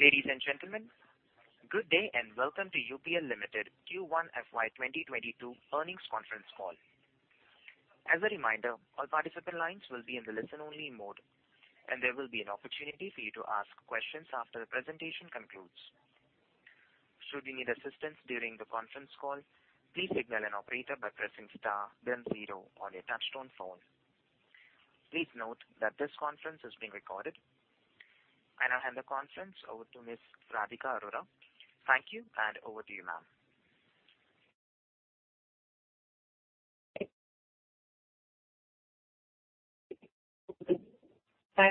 Ladies and gentlemen, good day and welcome to UPL Limited Q1 FY-2022 earnings conference call. As a reminder, all participant lines will be in the listen only mode, and there will be an opportunity for you to ask questions after the presentation concludes. Should we need assistance during the conference call, please signal an operator by pressing star then zero on your touchtone phone. Please note that this conference is being recorded. I now hand the conference over to Ms. Radhika Arora. Thank you, and over to you, ma'am. Hi.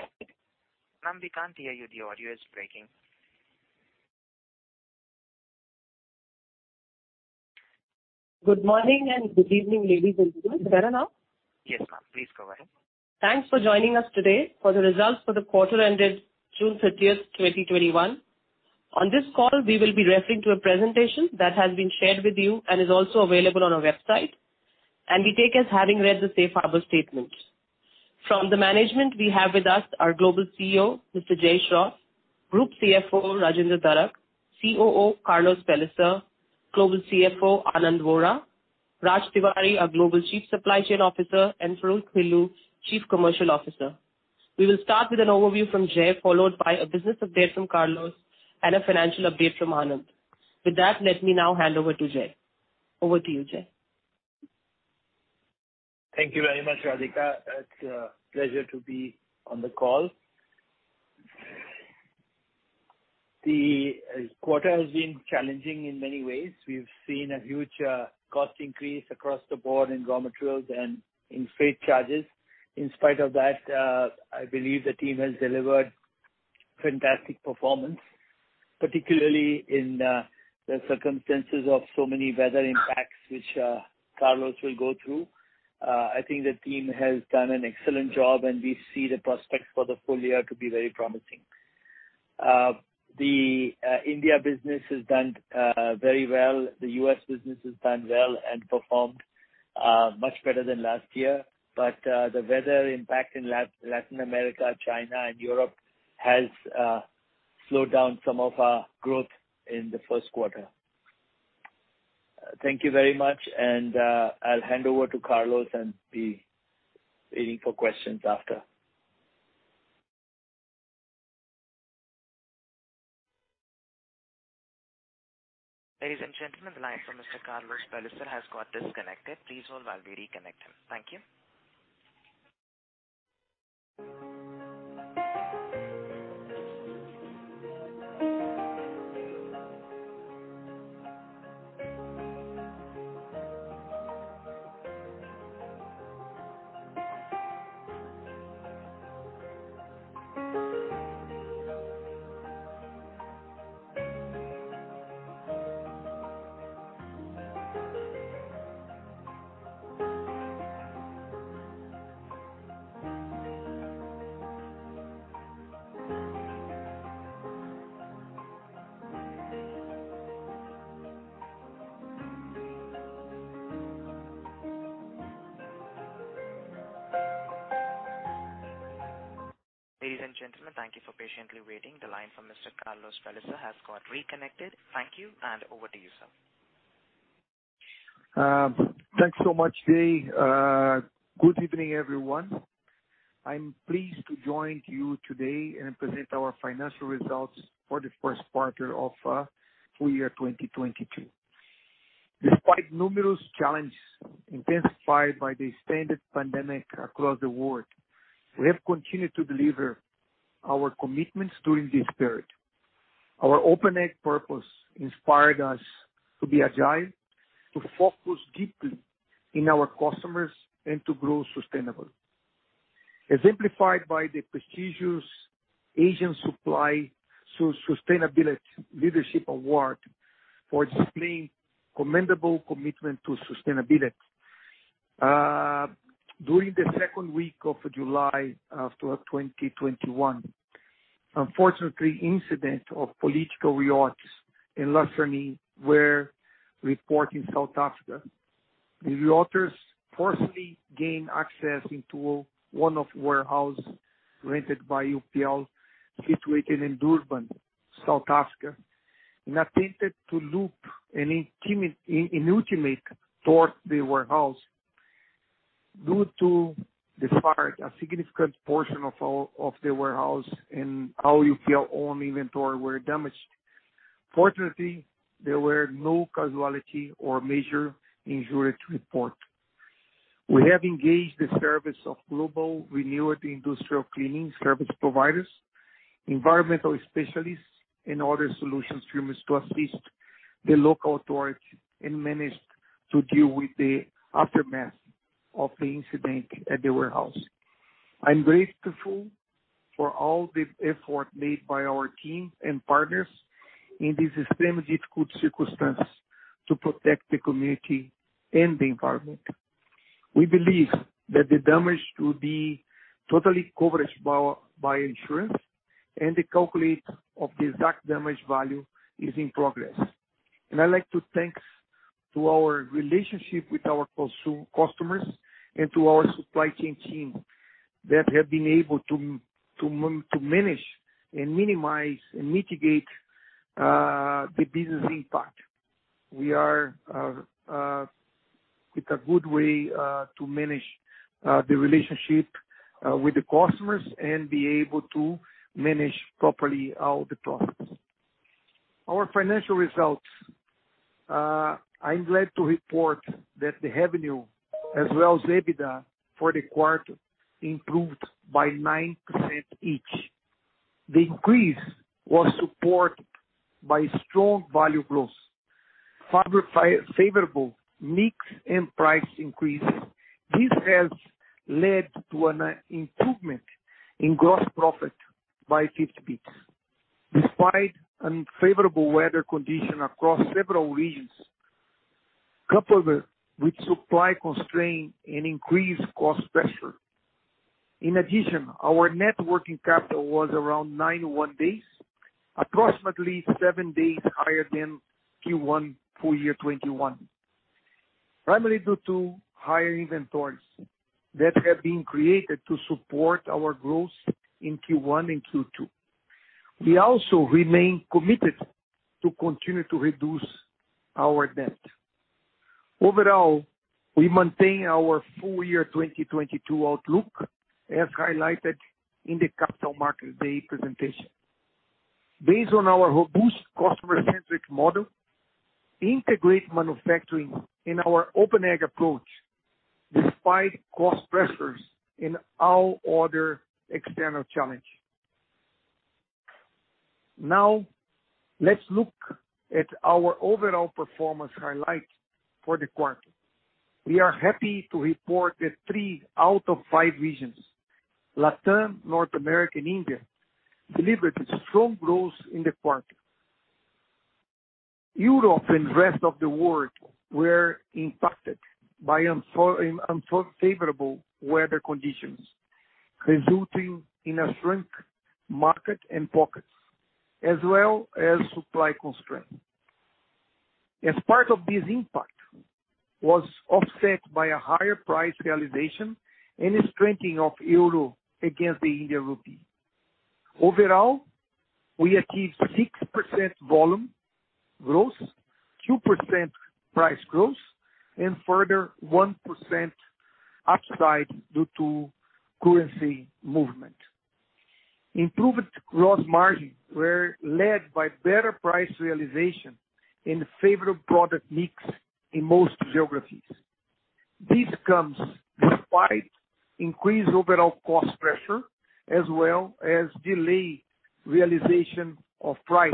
Ma'am, we can't hear you. The audio is breaking. Good morning and good evening, ladies and gentlemen. Is it better now? Yes, ma'am. Please go ahead. Thanks for joining us today for the results for the quarter ended June 30, 2021. On this call, we will be referring to a presentation that has been shared with you and is also available on our website, and we take as having read the safe harbor statement. From the management we have with us our Global CEO, Mr. Jai Shroff, Group CFO, Rajendra Darak, COO, Carlos Pellicer, Global CFO, Anand Vora, Raj Tiwari, our Global Chief Supply Chain Officer, and Farokh Hilloo, Chief Commercial Officer. We will start with an overview from Jai, followed by a business update from Carlos and a financial update from Anand. With that, let me now hand over to Jai. Over to you, Jai. Thank you very much, Radhika. It's a pleasure to be on the call. The quarter has been challenging in many ways. We've seen a huge cost increase across the board in raw materials and in freight charges. In spite of that, I believe the team has delivered fantastic performance, particularly in the circumstances of so many weather impacts, which Carlos will go through. I think the team has done an excellent job, and we see the prospects for the full year to be very promising. The India business has done very well. The U.S. business has done well and performed much better than last year, but the weather impact in Latin America, China, and Europe has slowed down some of our growth in the first quarter. Thank you very much, and I'll hand over to Carlos and be waiting for questions after. Ladies and gentlemen, the line for Mr. Carlos Pellicer has got disconnected. Please hold while we reconnect him. Thank you. Ladies and gentlemen, thank you for patiently waiting. The line for Mr. Carlos Pellicer has got reconnected. Thank you, and over to you, sir. Thanks so much, Jai. Good evening, everyone. I'm pleased to join you today and present our financial results for the first quarter of full year 2022. Despite numerous challenges intensified by the extended pandemic across the world, we have continued to deliver our commitments during this period. Our OpenAg purpose inspired us to be agile, to focus deeply in our customers, and to grow sustainably. Exemplified by the prestigious Asia Sustainability Leadership Award for displaying commendable commitment to sustainability. During the second week of July of 2021, unfortunately, incident of political riots in Ladysmith were reported in South Africa. The rioters forcibly gained access into one of warehouse rented by UPL, situated in Durban, South Africa, and attempted to loot and ultimately torch the warehouse. Due to the fire, a significant portion of the warehouse and all UPL-owned inventory were damaged. Fortunately, there were no casualty or major injuries to report. We have engaged the service of global renowned industrial cleaning service providers, environmental specialists, and other solution streamers to assist the local authorities and managed to deal with the aftermath of the incident at the warehouse. I'm grateful for all the effort made by our team and partners in this extremely difficult circumstance to protect the community and the environment. We believe that the damage will be totally covered by insurance, the calculation of the exact damage value is in progress. I'd like to thank to our relationship with our customers and to our supply chain team that have been able to manage and minimize and mitigate the business impact. We are in a good way to manage the relationship with the customers and be able to manage properly all the products. Our financial results. I'm glad to report that the revenue, as well as EBITDA for the quarter, improved by 9% each. The increase was supported by strong volume growth, favorable mix, and price increases. This has led to an improvement in gross profit by 50 basis points, despite unfavorable weather condition across several regions, coupled with supply constraint and increased cost pressure. In addition, our net working capital was around 91 days, approximately seven days higher than Q1 full year 2021, primarily due to higher inventories that have been created to support our growth in Q1 and Q2. We also remain committed to continue to reduce our debt. Overall, we maintain our full year 2022 outlook as highlighted in the Capital Markets Day presentation. Based on our robust customer-centric model, integrate manufacturing in our OpenAg approach, despite cost pressures in our other external challenge. Let's look at our overall performance highlight for the quarter. We are happy to report that three out of five regions, LATAM, North America, and India, delivered strong growth in the quarter. Europe and rest of the world were impacted by unfavorable weather conditions, resulting in a shrink market and pockets, as well as supply constraints. As part of this impact was offset by a higher price realization and a strengthening of Euro against the India rupee. Overall, we achieved 6% volume growth, 2% price growth, and further 1% upside due to currency movement. Improved gross margin were led by better price realization and favorable product mix in most geographies. This comes despite increased overall cost pressure, as well as delay realization of price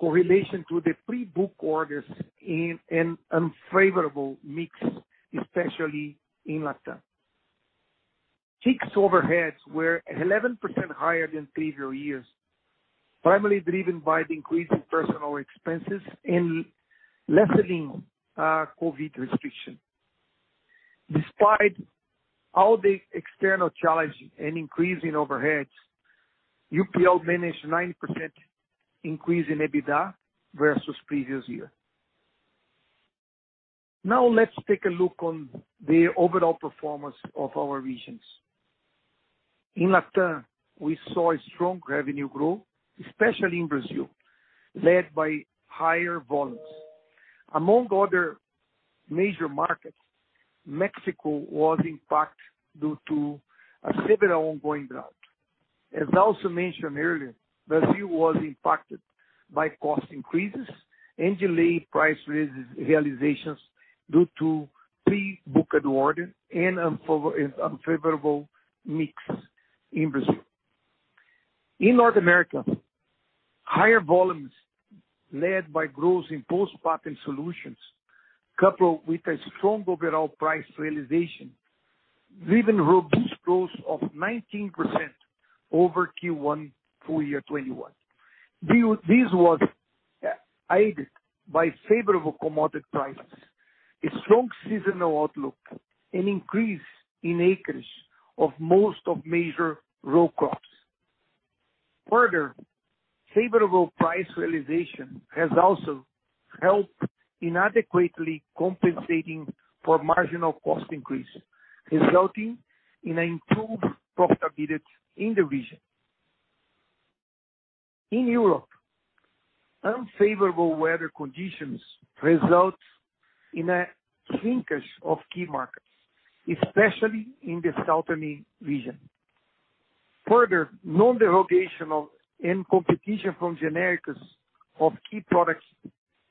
correlation to the pre-book orders in an unfavorable mix, especially in LATAM. Gx overheads were 11% higher than previous years, primarily driven by the increase in personal expenses and lessening COVID restriction. Despite all the external challenge and increase in overheads, UPL managed 9% increase in EBITDA versus previous year. Let's take a look on the overall performance of our regions. In LATAM, we saw a strong revenue growth, especially in Brazil, led by higher volumes. Among other major markets, Mexico was impacted due to a severe ongoing drought. As I also mentioned earlier, Brazil was impacted by cost increases and delayed price realizations due to pre-booked orders and unfavorable mix in Brazil. In North America, higher volumes led by growth in post-patent solutions, coupled with a strong overall price realization, driven robust growth of 19% over Q1 FY 2021. This was aided by favorable commodity prices, a strong seasonal outlook, an increase in acreage of most of major row crops. Further, favorable price realization has also helped in adequately compensating for marginal cost increase, resulting in an improved profitability in the region. In Europe, unfavorable weather conditions result in a shrinkage of key markets, especially in the southern region. Further, non-revocation of, and competition from generics of key products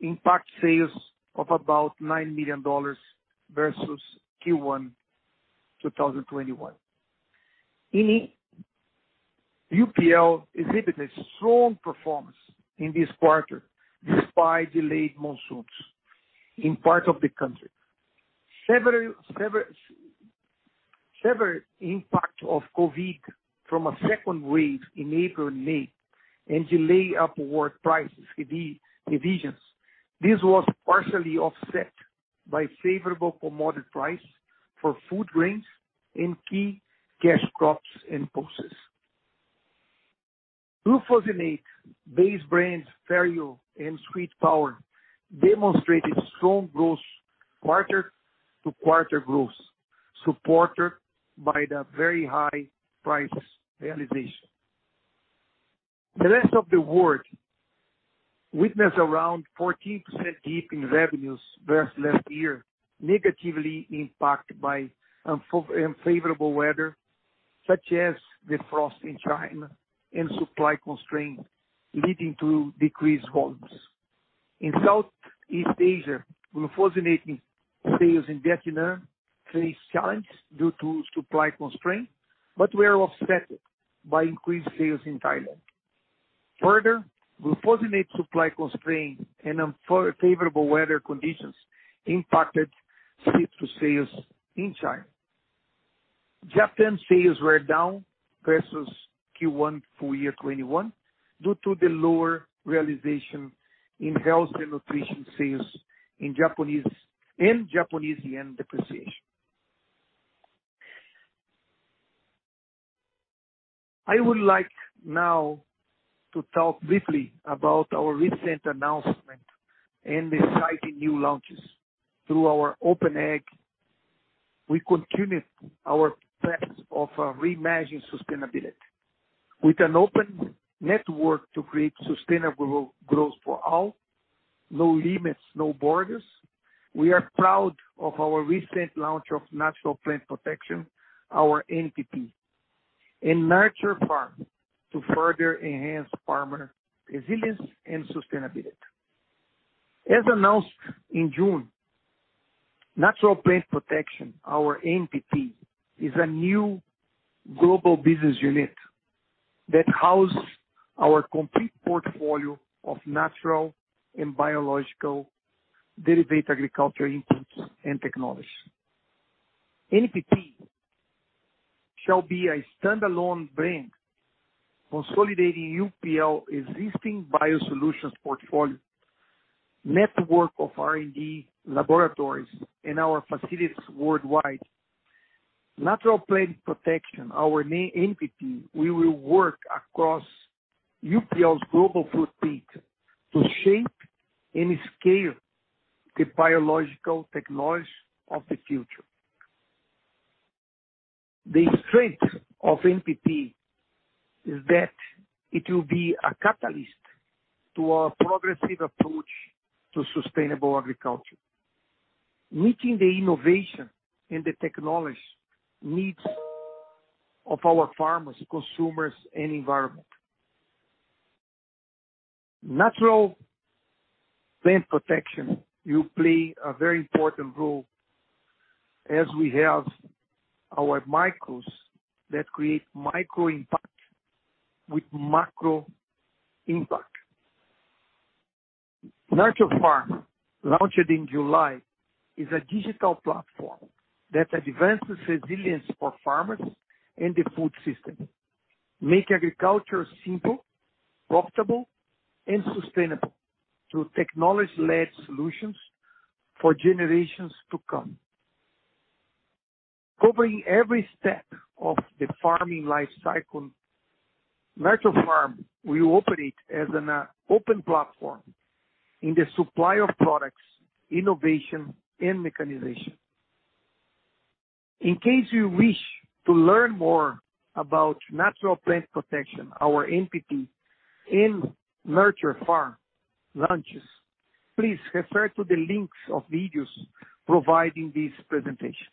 impact sales of about INR 9 million versus Q1 2021. In India, UPL exhibited strong performance in this quarter, despite delayed monsoons in parts of the country. Severe impact of COVID from a second wave in April and May and delay upward price revisions. This was partially offset by favorable commodity price for food grains and key cash crops in pulses. glufosinate-based brands Feroce and Sweep Power demonstrated strong quarter-to-quarter growth, supported by the very high price realization. The rest of the world witnessed around 14% dip in revenues versus last year, negatively impacted by unfavorable weather, such as the frost in China and supply constraints, leading to decreased volumes. In Southeast Asia, glufosinate sales in Vietnam faced challenges due to supply constraints, but were offset by increased sales in Thailand. Further, glufosinate supply constraints and unfavorable weather conditions impacted sweet potato sales in China. Japan sales were down versus Q1 full year 2021 due to the lower realization in health and nutrition sales in Japanese yen depreciation. I would like now to talk briefly about our recent announcement and exciting new launches. Through our OpenAg, we continue our path of reimagining sustainability. With an open network to create sustainable growth for all, no limits, no borders, we are proud of our recent launch of Natural Plant Protection, our NPP, and nurture.farm, to further enhance farmer resilience and sustainability. As announced in June, Natural Plant Protection, our NPP, is a new global business unit that houses our complete portfolio of natural and biological-derived agriculture inputs and technologies. NPP shall be a standalone brand consolidating UPL existing biosolutions portfolio, network of R&D laboratories, and our facilities worldwide. Natural Plant Protection, our NPP, we will work across UPL's global footprint to shape and scale the biological technologies of the future. The strength of NPP is that it will be a catalyst to our progressive approach to sustainable agriculture, meeting the innovation and the technology needs of our farmers, consumers, and environment. Natural Plant Protection will play a very important role, as we have our micros that create micro impact with macro impact. nurture.farm, launched in July, is a digital platform that advances resilience for farmers and the food system, make agriculture simple, profitable, and sustainable through technology-led solutions for generations to come. Covering every step of the farming life cycle, nurture.farm will operate as an open platform in the supply of products, innovation, and mechanization. In case you wish to learn more about Natural Plant Protection, our NPP, and nurture.farm launches, please refer to the links of videos provided in this presentation.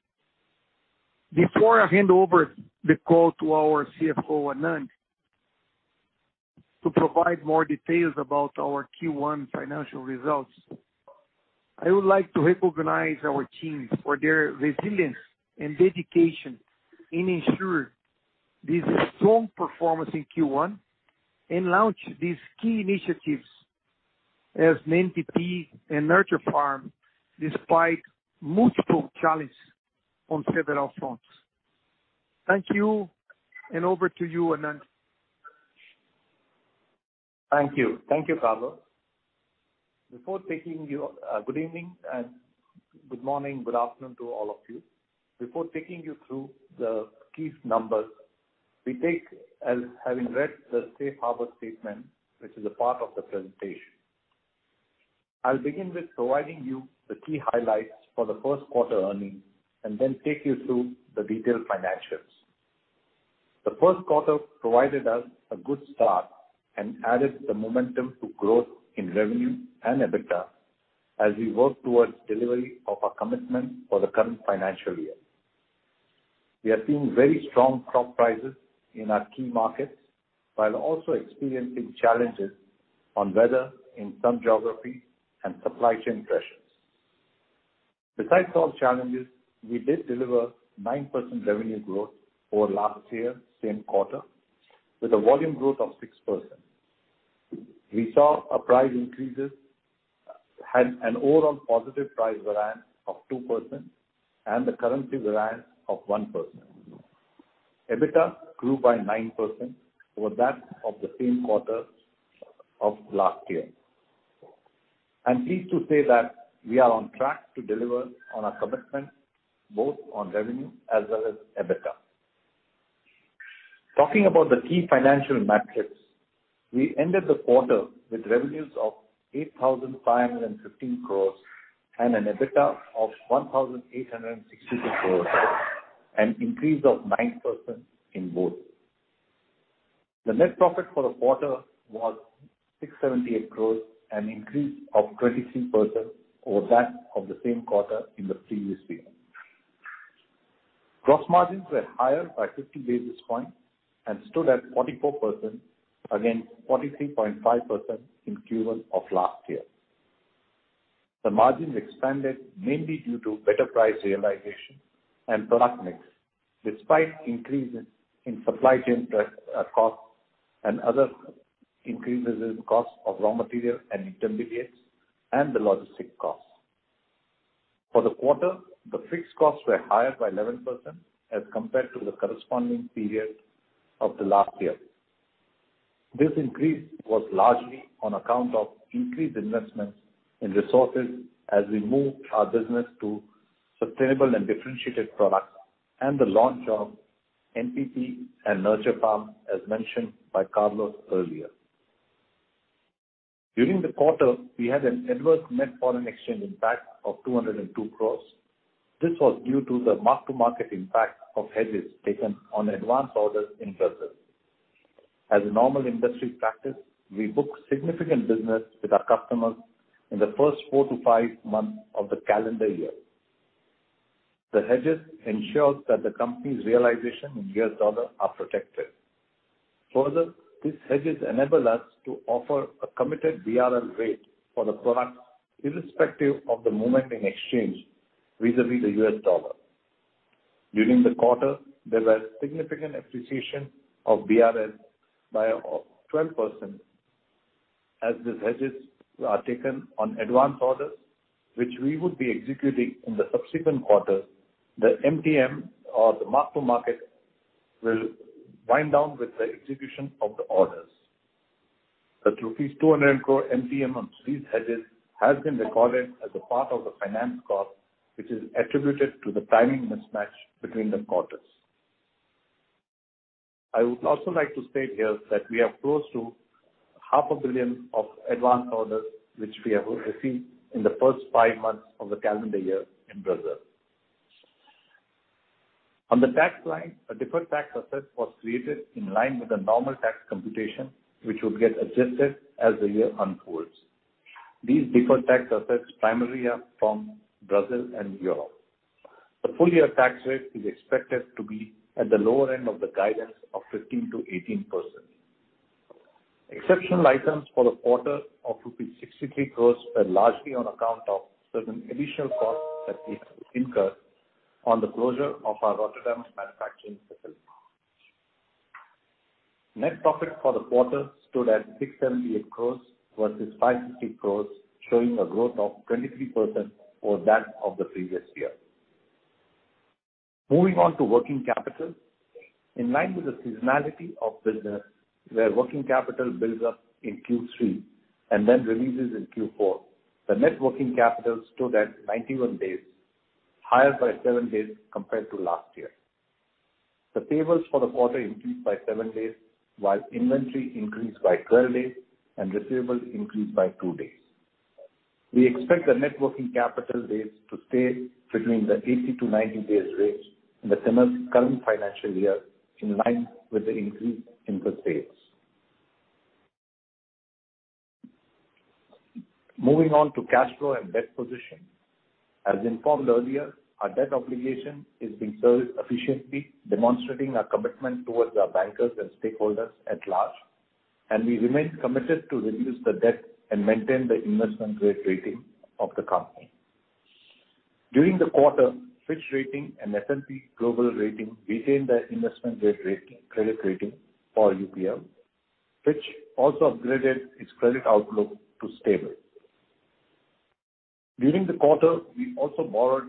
Before I hand over the call to our CFO, Anand, to provide more details about our Q1 financial results, I would like to recognize our teams for their resilience and dedication in ensuring this strong performance in Q1 and launch these key initiatives as NPP and nurture.farm, despite multiple challenges on several fronts. Thank you, and over to you, Anand. Thank you. Thank you, Carlos. Good evening and good morning, good afternoon to all of you. Before taking you through the key numbers, we take as having read the Safe Harbor statement, which is a part of the presentation. I'll begin with providing you the key highlights for the first quarter earnings and then take you through the detailed financials. The first quarter provided us a good start and added the momentum to growth in revenue and EBITDA, as we work towards delivery of our commitment for the current financial year. We are seeing very strong crop prices in our key markets, while also experiencing challenges on weather in some geographies and supply chain pressures. Besides those challenges, we did deliver 9% revenue growth over last year, same quarter, with a volume growth of 6%. We saw our price increases had an overall positive price variance of 2% and a currency variance of 1%. EBITDA grew by 9% over that of the same quarter of last year. I'm pleased to say that we are on track to deliver on our commitment, both on revenue as well as EBITDA. Talking about the key financial metrics, we ended the quarter with revenues of 8,515 crores and an EBITDA of 1,862 crores, an increase of 9% in both. The net profit for the quarter was 678 crores, an increase of 23% over that of the same quarter in the previous year. Gross margins were higher by 50 basis points and stood at 44%, against 43.5% in Q1 of last year. The margins expanded mainly due to better price realization and product mix, despite increases in supply chain costs and other increases in cost of raw material and intermediates, and the logistic costs. For the quarter, the fixed costs were higher by 11% as compared to the corresponding period of the last year. This increase was largely on account of increased investments in resources as we moved our business to sustainable and differentiated products, and the launch of NPP and nurture.farm, as mentioned by Carlos earlier. During the quarter, we had an adverse net foreign exchange impact of 202 crores. This was due to the mark-to-market impact of hedges taken on advance orders in Brazil. As a normal industry practice, we book significant business with our customers in the first four to five months of the calendar year. The hedges ensure that the company's realization in U.S. dollar are protected. These hedges enable us to offer a committed BRL rate for the product irrespective of the movement in exchange vis-à-vis the US dollar. During the quarter, there was significant appreciation of BRL by 12%. These hedges are taken on advance orders, which we would be executing in the subsequent quarter, the MTM or the mark-to-market will wind down with the execution of the orders. The 200 crore MTM on these hedges has been recorded as a part of the finance cost, which is attributed to the timing mismatch between the quarters. I would also like to state here that we are close to half a billion of advance orders, which we have received in the first five months of the calendar year in Brazil. On the tax line, a deferred tax asset was created in line with the normal tax computation, which would get adjusted as the year unfolds. These deferred tax assets primarily are from Brazil and Europe. The full-year tax rate is expected to be at the lower end of the guidance of 15%-18%. Exceptional items for the quarter of rupees 63 crores are largely on account of certain additional costs that we have incurred on the closure of our Rotterdam manufacturing facility. Net profit for the quarter stood at 678 crores versus 550 crores, showing a growth of 23% over that of the previous year. Moving on to working capital. In line with the seasonality of business, where working capital builds up in Q3 and then releases in Q4, the net working capital stood at 91 days, higher by seven days compared to last year. The payables for the quarter increased by seven days, while inventory increased by 12 days and receivables increased by two days. We expect the net working capital days to stay between the 80 to 90 days range in the current financial year, in line with the increase in the sales. Moving on to cash flow and debt position. As informed earlier, our debt obligation is being serviced efficiently, demonstrating our commitment towards our bankers and stakeholders at large, and we remain committed to reduce the debt and maintain the investment grade rating of the company. During the quarter, Fitch Ratings and S&P Global Ratings retained their investment grade credit rating for UPL, which also upgraded its credit outlook to stable. During the quarter, we also borrowed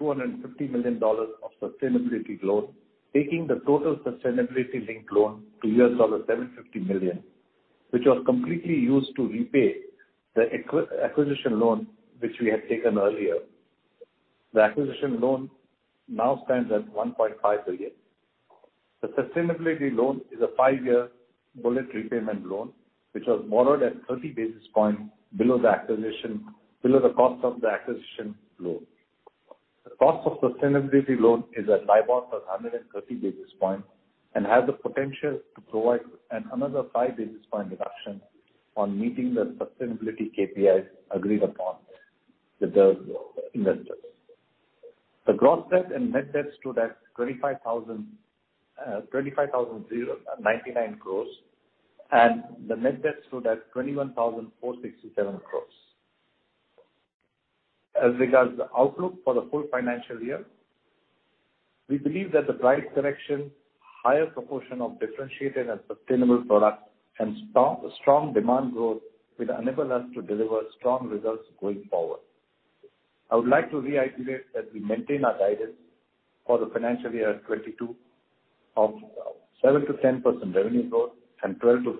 $250 million of sustainability loan, taking the total sustainability linked loan to $750 million, which was completely used to repay the acquisition loan which we had taken earlier. The acquisition loan now stands at $1.5 billion. The sustainability loan is a five-year bullet repayment loan, which was borrowed at 30 basis points below the cost of the acquisition loan. The cost of sustainability loan is at LIBOR plus 130 basis points and has the potential to provide another 5 basis point reduction on meeting the sustainability KPIs agreed upon with the investors. The gross debt and net debt stood at 25,099 crores, and the net debt stood at 21,467 crores. As regards the outlook for the full financial year, we believe that the price correction, higher proportion of differentiated and sustainable products, and strong demand growth will enable us to deliver strong results going forward. I would like to reiterate that we maintain our guidance for the financial year 2022 of 7%-10% revenue growth and 12%-15%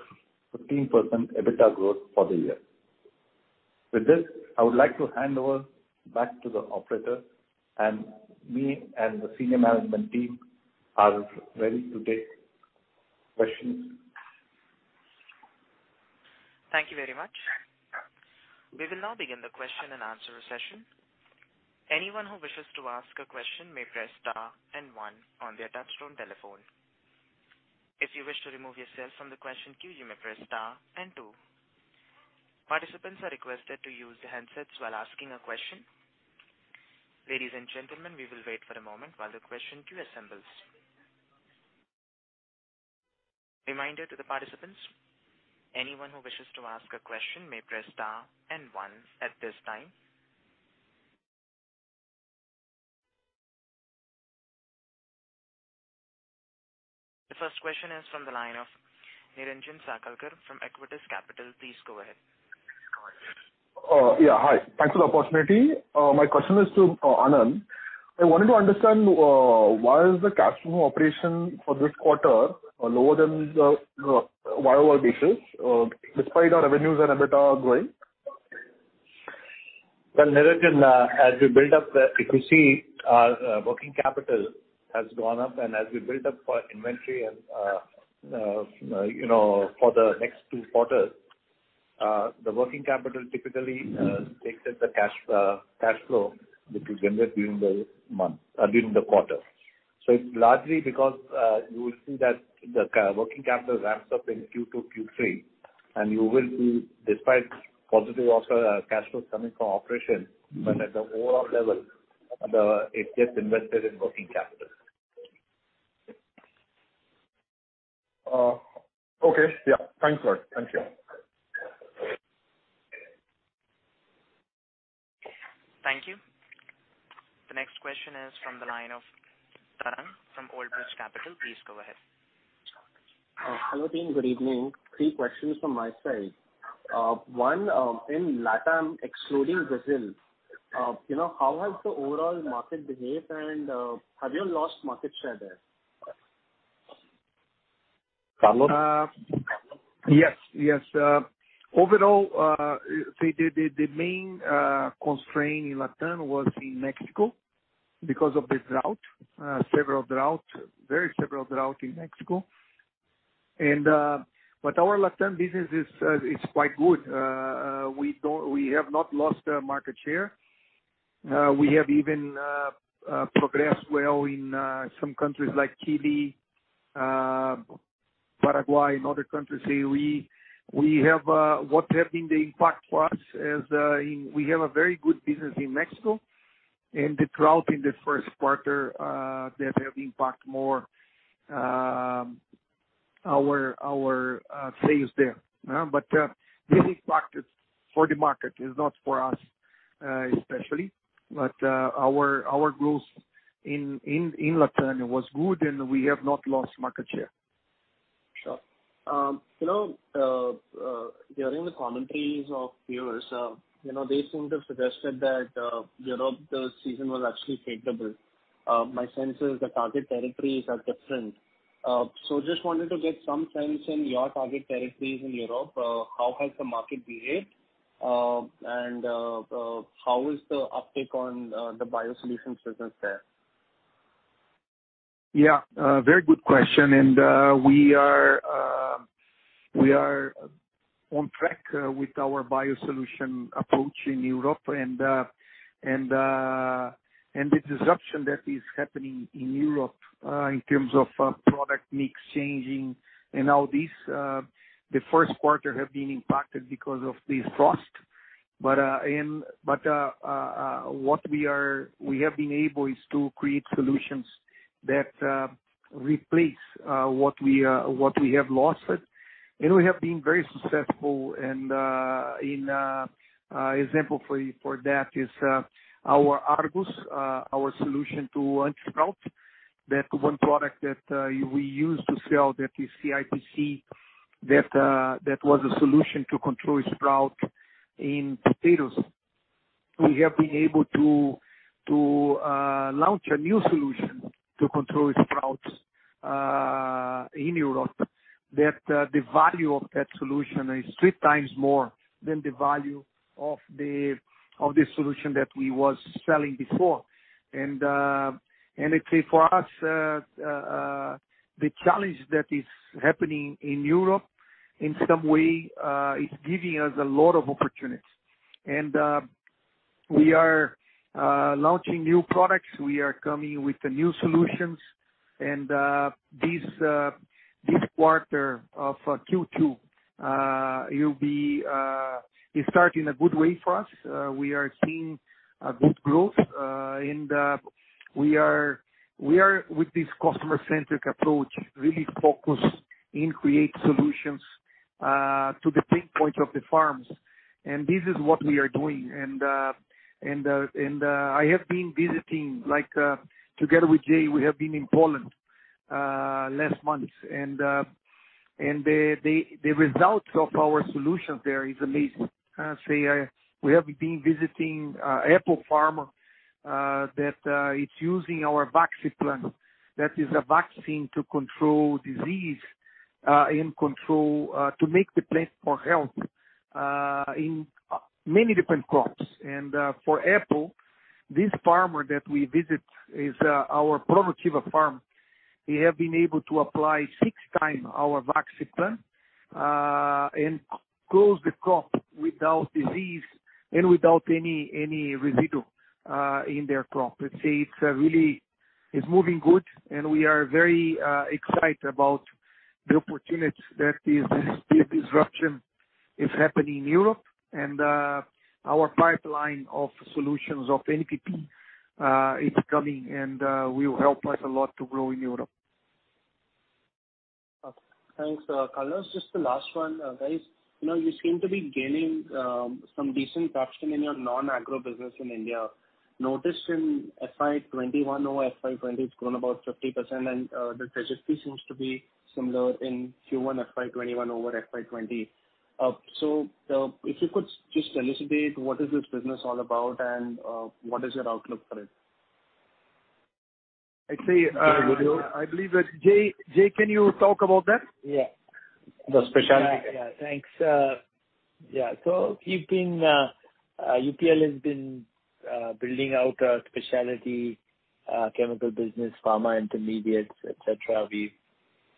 EBITDA growth for the year. With this, I would like to hand over back to the operator, and me and the senior management team are ready to take questions. Thank you very much. We will now begin the question-and-answer session. The first question is from the line of Niranjan Salkar from Equitas Capital. Please go ahead. Yeah, hi. Thanks for the opportunity. My question is to Anand. I wanted to understand why is the cash flow operation for this quarter lower than Y-O-Y basis, despite our revenues and EBITDA growing? Well, Niranjan, if you see, our working capital has gone up, and as we build up for inventory and for the next two quarters, the working capital typically takes up the cash flow that we generate during the quarter. It's largely because you will see that the working capital ramps up in Q2, Q3, and you will see despite positive also cash flow coming from operation, but at the overall level, it gets invested in working capital. Okay. Yeah. Thanks a lot. Thank you. Thank you. The next question is from the line of Tarang Agrawal from Old Bridge Capital. Please go ahead. Hello, team. Good evening. Three questions from my side. One, in LATAM, excluding Brazil, how has the overall market behaved, and have you lost market share there? Carlos? Yes. Overall, the main constraint in LATAM was in Mexico because of the drought, very severe drought in Mexico. Our LATAM business is quite good. We have not lost market share. We have even progressed well in some countries like Chile, Paraguay, and other countries. What have been the impact for us is, we have a very good business in Mexico, and the drought in the first quarter that have impacted more our sales there. The impact is for the market, is not for us especially. Our growth in LATAM was good, and we have not lost market share. Sure. During the commentaries of peers, they seem to have suggested that Europe, the season was actually favorable. My sense is the target territories are different. Just wanted to get some sense in your target territories in Europe, how has the market behaved, and how is the uptake on the biosolutions business there? Yeah. Very good question. We are on track with our Biosolution approach in Europe, the disruption that is happening in Europe, in terms of product mix changing and all this, the first quarter have been impacted because of the frost. What we have been able is to create solutions that replace what we have lost. We have been very successful, example for you for that is our Argos, our solution to anti-sprout. That one product was a solution to control sprout in potatoes. We have been able to launch a new solution to control sprouts in Europe, that the value of that solution is three times more than the value of the solution that we was selling before. I'd say for us, the challenge that is happening in Europe, in some way, is giving us a lot of opportunities. We are launching new products. We are coming with the new solutions. This quarter of Q2 is starting a good way for us. We are seeing a good growth. We are, with this customer-centric approach, really focused in create solutions to the pain point of the farms. This is what we are doing. I have been visiting, together with Jai, we have been in Poland last month. The results of our solutions there is amazing. We have been visiting apple farmer that is using our Vacciplant. That is a vaccine to control disease and to make the plant more healthy in many different crops. For apple, this farmer that we visit is our ProNutiva farm. We have been able to apply six times our Vacciplant, and close the crop without disease and without any residue in their crop. It's moving good, and we are very excited about the opportunity that this disruption is happening in Europe, and our pipeline of solutions of NPP is coming and will help us a lot to grow in Europe. Thanks, Carlos. Just the last one. Guys, you seem to be gaining some decent traction in your non-agro business in India. Noticed in FY 2021 over FY 2020, it's grown about 50%, and the trajectory seems to be similar in Q1 FY 2021 over FY 2020. If you could just elucidate what is this business all about, and what is your outlook for it? I believe that Jai, can you talk about that? Yeah. The specialty. Yeah. Thanks. Yeah. UPL has been building out a specialty chemical business, pharma intermediates, et cetera. We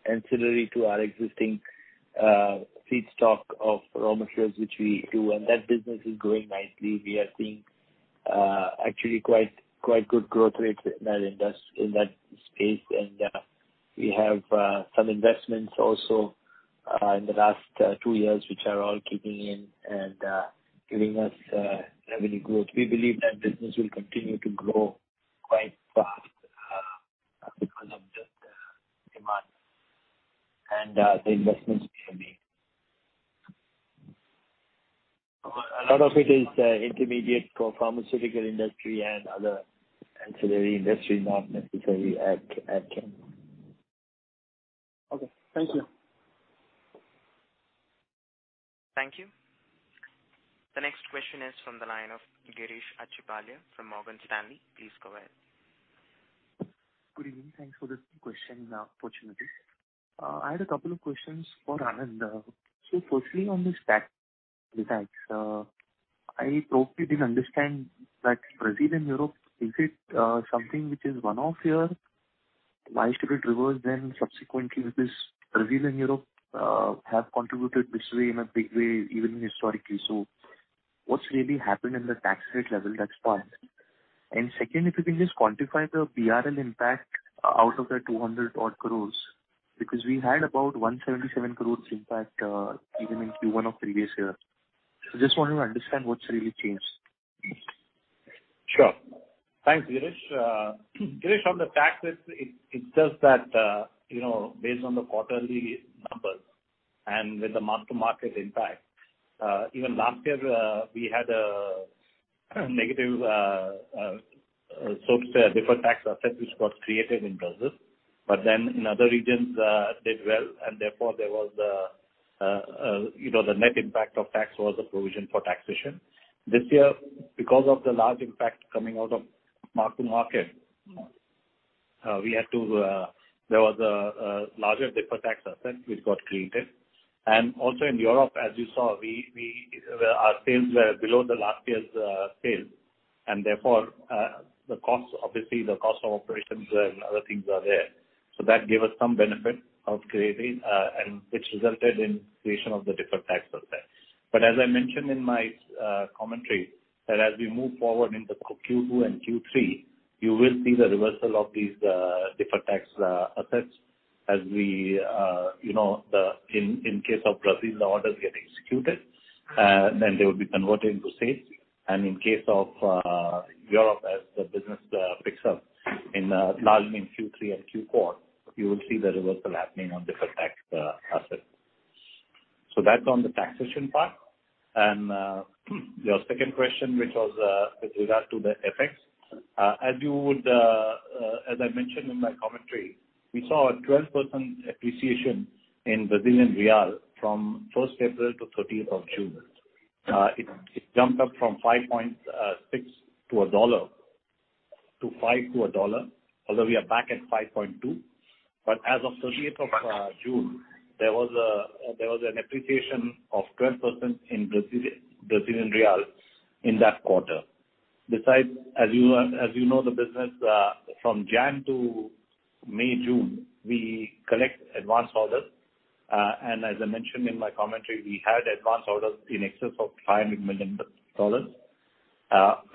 ancillary to our existing feedstock of raw materials, which we do, and that business is growing nicely. We are seeing actually quite good growth rates in that space. We have some investments also in the last two years, which are all kicking in and giving us revenue growth. We believe that business will continue to grow quite fast because of the demand and the investments we have made. A lot of it is intermediate for pharmaceutical industry and other ancillary industries, not necessarily ag-chem. Okay. Thank you. Thank you. The next question is from the line of Girish Achhipalia from Morgan Stanley. Please go ahead. Good evening. Thanks for this question opportunity. I had two questions for Anand. Firstly, on this tax results, I probably didn't understand that Brazil and Europe, is it something which is one-off year? Why should it reverse then subsequently with this Brazil and Europe have contributed this way in a big way, even historically? What's really happened in the tax rate level that's filed? Second, if you can just quantify the BRL impact out of that 200 odd crores, because we had about 177 crores impact even in Q1 of previous year. Just wanted to understand what's really changed. Sure. Thanks, Girish. Girish, on the taxes, it's just that based on the quarterly numbers and with the mark-to-market impact, even last year we had a negative deferred tax asset which got created in Brazil, but then in other regions did well, and therefore the net impact of tax was a provision for taxation. This year, because of the large impact coming out of mark-to-market, there was a larger deferred tax asset which got created. Also in Europe, as you saw, our sales were below the last year's sales, and therefore obviously the cost of operations and other things are there. That gave us some benefit of creating, and which resulted in creation of the deferred tax assets. As I mentioned in my commentary, that as we move forward into Q2 and Q3, you will see the reversal of these deferred tax assets. In case of Brazil, the orders get executed, then they will be converted into sales. In case of Europe, as the business picks up in Q3 and Q4, you will see the reversal happening on deferred tax asset. That's on the taxation part. Your second question, which was with regard to the FX. As I mentioned in my commentary, we saw a 12% appreciation in Brazilian real from 1st April to 30th of June. It jumped up from 5.6 to a dollar to five to a dollar. Although we are back at 5.2. As of 30th of June, there was an appreciation of 12% in Brazilian real in that quarter. Besides, as you know the business from January to May, June, we collect advance orders. As I mentioned in my commentary, we had advance orders in excess of $500 million.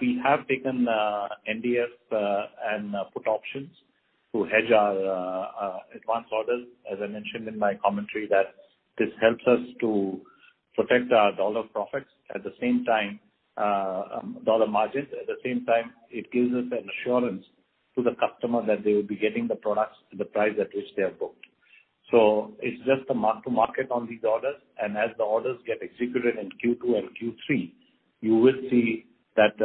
We have taken NDFs and put options to hedge our advance orders. As I mentioned in my commentary, that this helps us to protect our dollar profits, at the same time, dollar margins. At the same time, it gives us an assurance to the customer that they will be getting the products to the price at which they have booked. It's just a mark-to-market on these orders, and as the orders get executed in Q2 and Q3, you will see that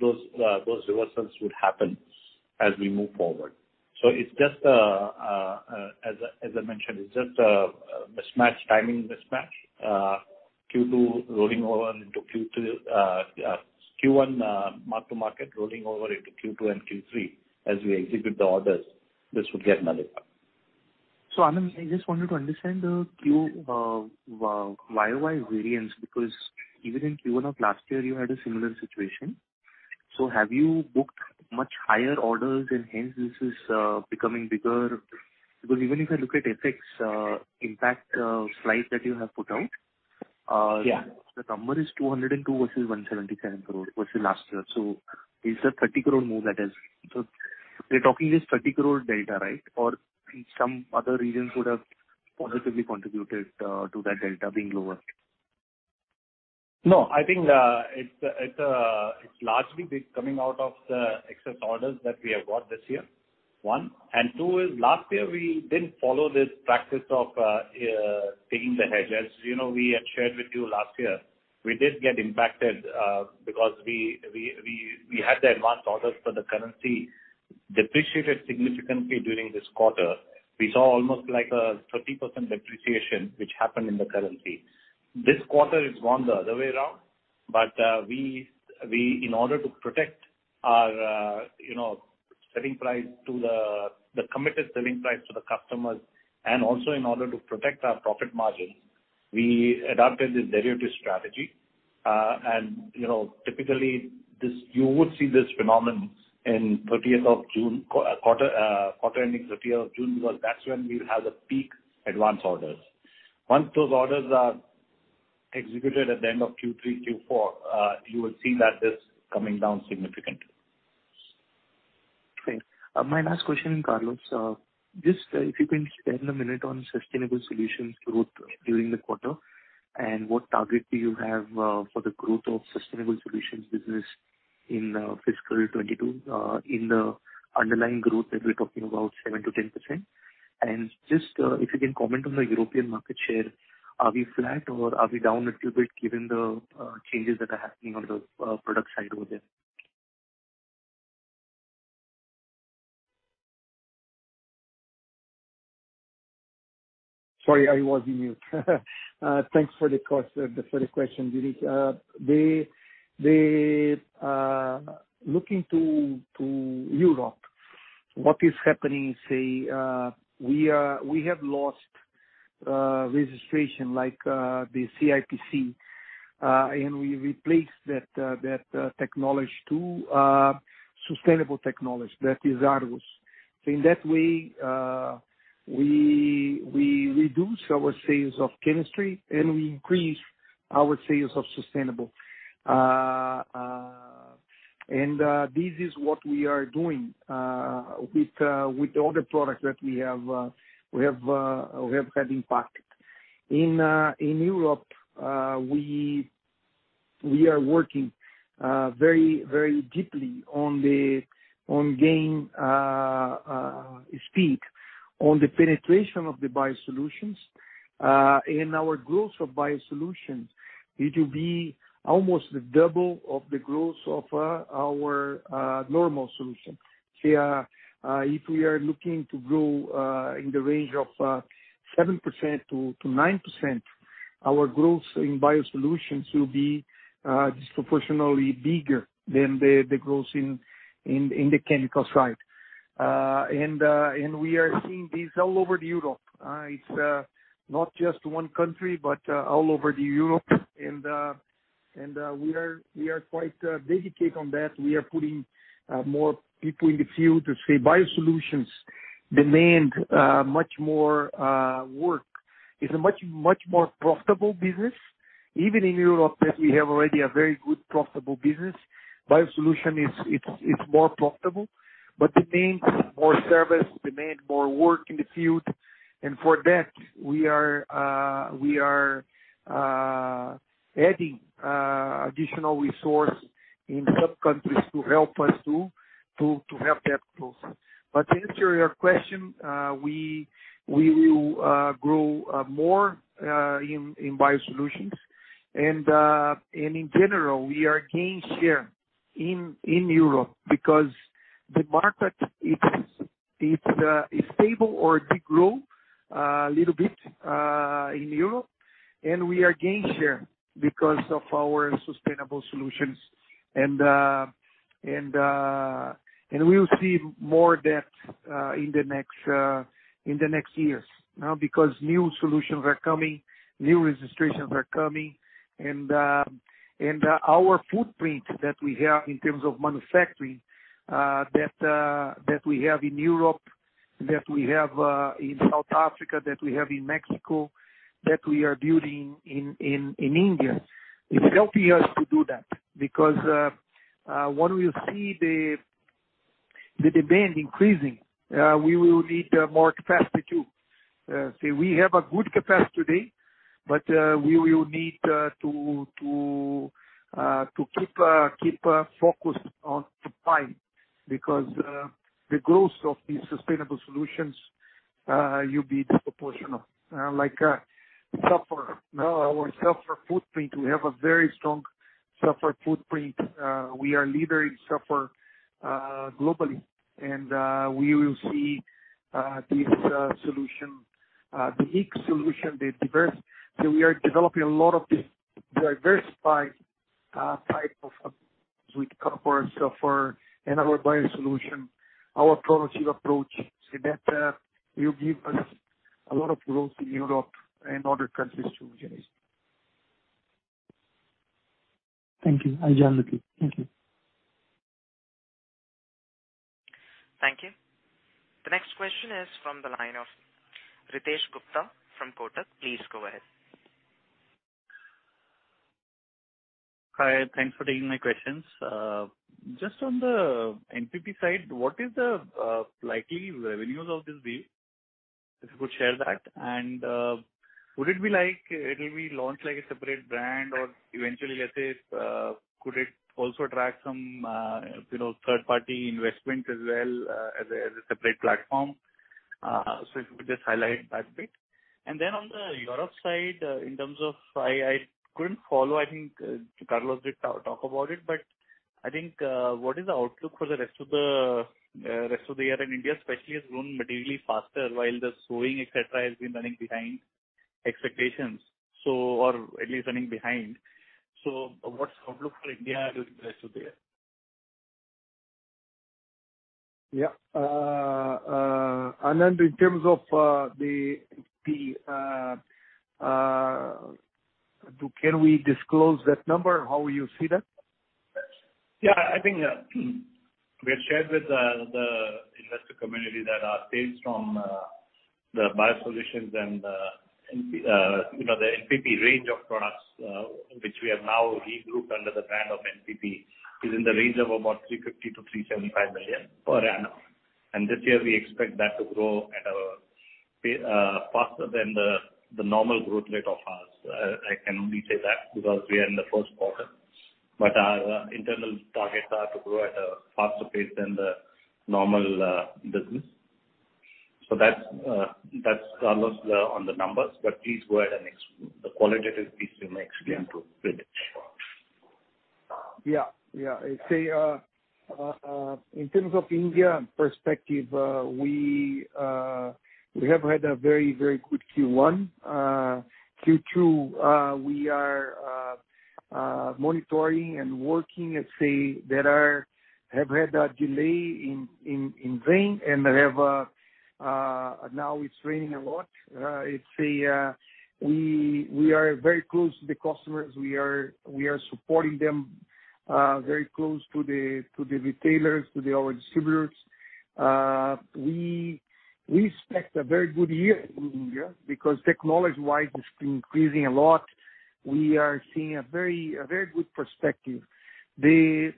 those reversals would happen as we move forward. As I mentioned, it's just a timing mismatch, Q1 mark-to-market rolling over into Q2 and Q3 as we execute the orders. This would get normalized. Anand, I just wanted to understand the Q YOY variance, because even in Q1 of last year, you had a similar situation. Have you booked much higher orders and hence this is becoming bigger? Even if I look at FX impact slide that you have put out- Yeah The number is 202 versus 177 crore versus last year. It's an 30 crore move. We're talking just 30 crore delta, right? Some other reasons would have positively contributed to that delta being lower? I think it's largely coming out of the excess orders that we have got this year, one. Two is, last year we didn't follow this practice of taking the hedge. As you know, we had shared with you last year. We did get impacted, because we had the advanced orders, but the currency depreciated significantly during this quarter. We saw almost a 30% depreciation, which happened in the currency. This quarter, it's gone the other way around. In order to protect our committed selling price to the customers, and also in order to protect our profit margin, we adopted this derivative strategy. Typically, you would see this phenomenon quarter ending 30th of June, because that's when we'll have the peak advance orders. Once those orders are executed at the end of Q3, Q4, you will see that this coming down significantly. Great. My last question, Carlos. Just if you can spend a minute on sustainable solutions growth during the quarter, and what target do you have for the growth of sustainable solutions business in FY 2022, in the underlying growth that we're talking about 7% to 10%? Just, if you can comment on the European market share. Are we flat or are we down a little bit given the changes that are happening on the product side over there? Sorry, I was in mute. Thanks for the question, Girish. Looking to Europe, what is happening is we have lost registration, like the CIPC, and we replaced that technology to sustainable technology, that is Argos. In that way, we reduce our sales of chemistry and we increase our sales of sustainable. This is what we are doing with all the products that we have had impact. In Europe, we are working very deeply on gain speed on the penetration of the biosolutions. Our growth of biosolutions, it will be almost the double of the growth of our normal solution. If we are looking to grow in the range of 7%-9%, our growth in biosolutions will be disproportionately bigger than the growth in the chemicals side. We are seeing this all over Europe. It's not just one country, but all over the Europe. We are quite dedicated on that. We are putting more people in the field to say, biosolutions demand much more work. It's a much more profitable business. Even in Europe, that we have already a very good profitable business. biosolutions, it's more profitable. Demand more service, demand more work in the field. For that, we are adding additional resource in hub countries to help us to have that growth. To answer your question, we will grow more in biosolutions. In general, we are gain share in Europe because the market, it's stable or degrow a little bit in Europe. We are gain share because of our sustainable solutions. We will see more depth in the next years. New solutions are coming, new registrations are coming. Our footprint that we have in terms of manufacturing, that we have in Europe, that we have in South Africa, that we have in Mexico, that we are building in India, it's helping us to do that. When we see the demand increasing, we will need more capacity too. We have a good capacity today, but we will need to keep focused on supply because the growth of these sustainable solutions will be disproportional. Our sulfur footprint. We have a very strong sulfur footprint. We are leader in sulfur globally, and we will see this solution. We are developing a lot of this diversified type of sweet potato and sulfur and our biosolution, our ProNutiva approach. That will give us a lot of growth in Europe and other countries too. Thank you. I'll join with you. Thank you. Thank you. The next question is from the line of Ritesh Gupta from Kotak. Please go ahead. Hi, thanks for taking my questions. Just on the NPP side, what is the likely revenues of this be? If you could share that. Would it be launched like a separate brand or eventually, could it also attract some third-party investment as well as a separate platform? If you could just highlight that bit. Then on the Europe side, in terms of, I couldn't follow, Carlos did talk about it, but what is the outlook for the rest of the year in India especially has grown materially faster while the sowing, et cetera, has been running behind expectations or at least running behind. What's the outlook for India during the rest of the year? Yeah. Anand, in terms of the NPP, can we disclose that number? How will you see that? I think we had shared with the investor community that our sales from the biosolutions and the NPP range of products which we have now regrouped under the brand of NPP, is in the range of about 350 million to 375 million per annum. This year, we expect that to grow at a faster than the normal growth rate of ours. I can only say that because we are in the first quarter, but our internal targets are to grow at a faster pace than the normal business. That's almost on the numbers. Please go ahead and the qualitative piece you may explain to Ritesh. I say, in terms of India perspective, we have had a very good Q1. Q2, we are monitoring and working. I say, that have had a delay in rain and now it's raining a lot. I say, we are very close to the customers. We are supporting them, very close to the retailers, to our distributors. We expect a very good year in India because technology-wise, it's been increasing a lot. We are seeing a very good perspective. The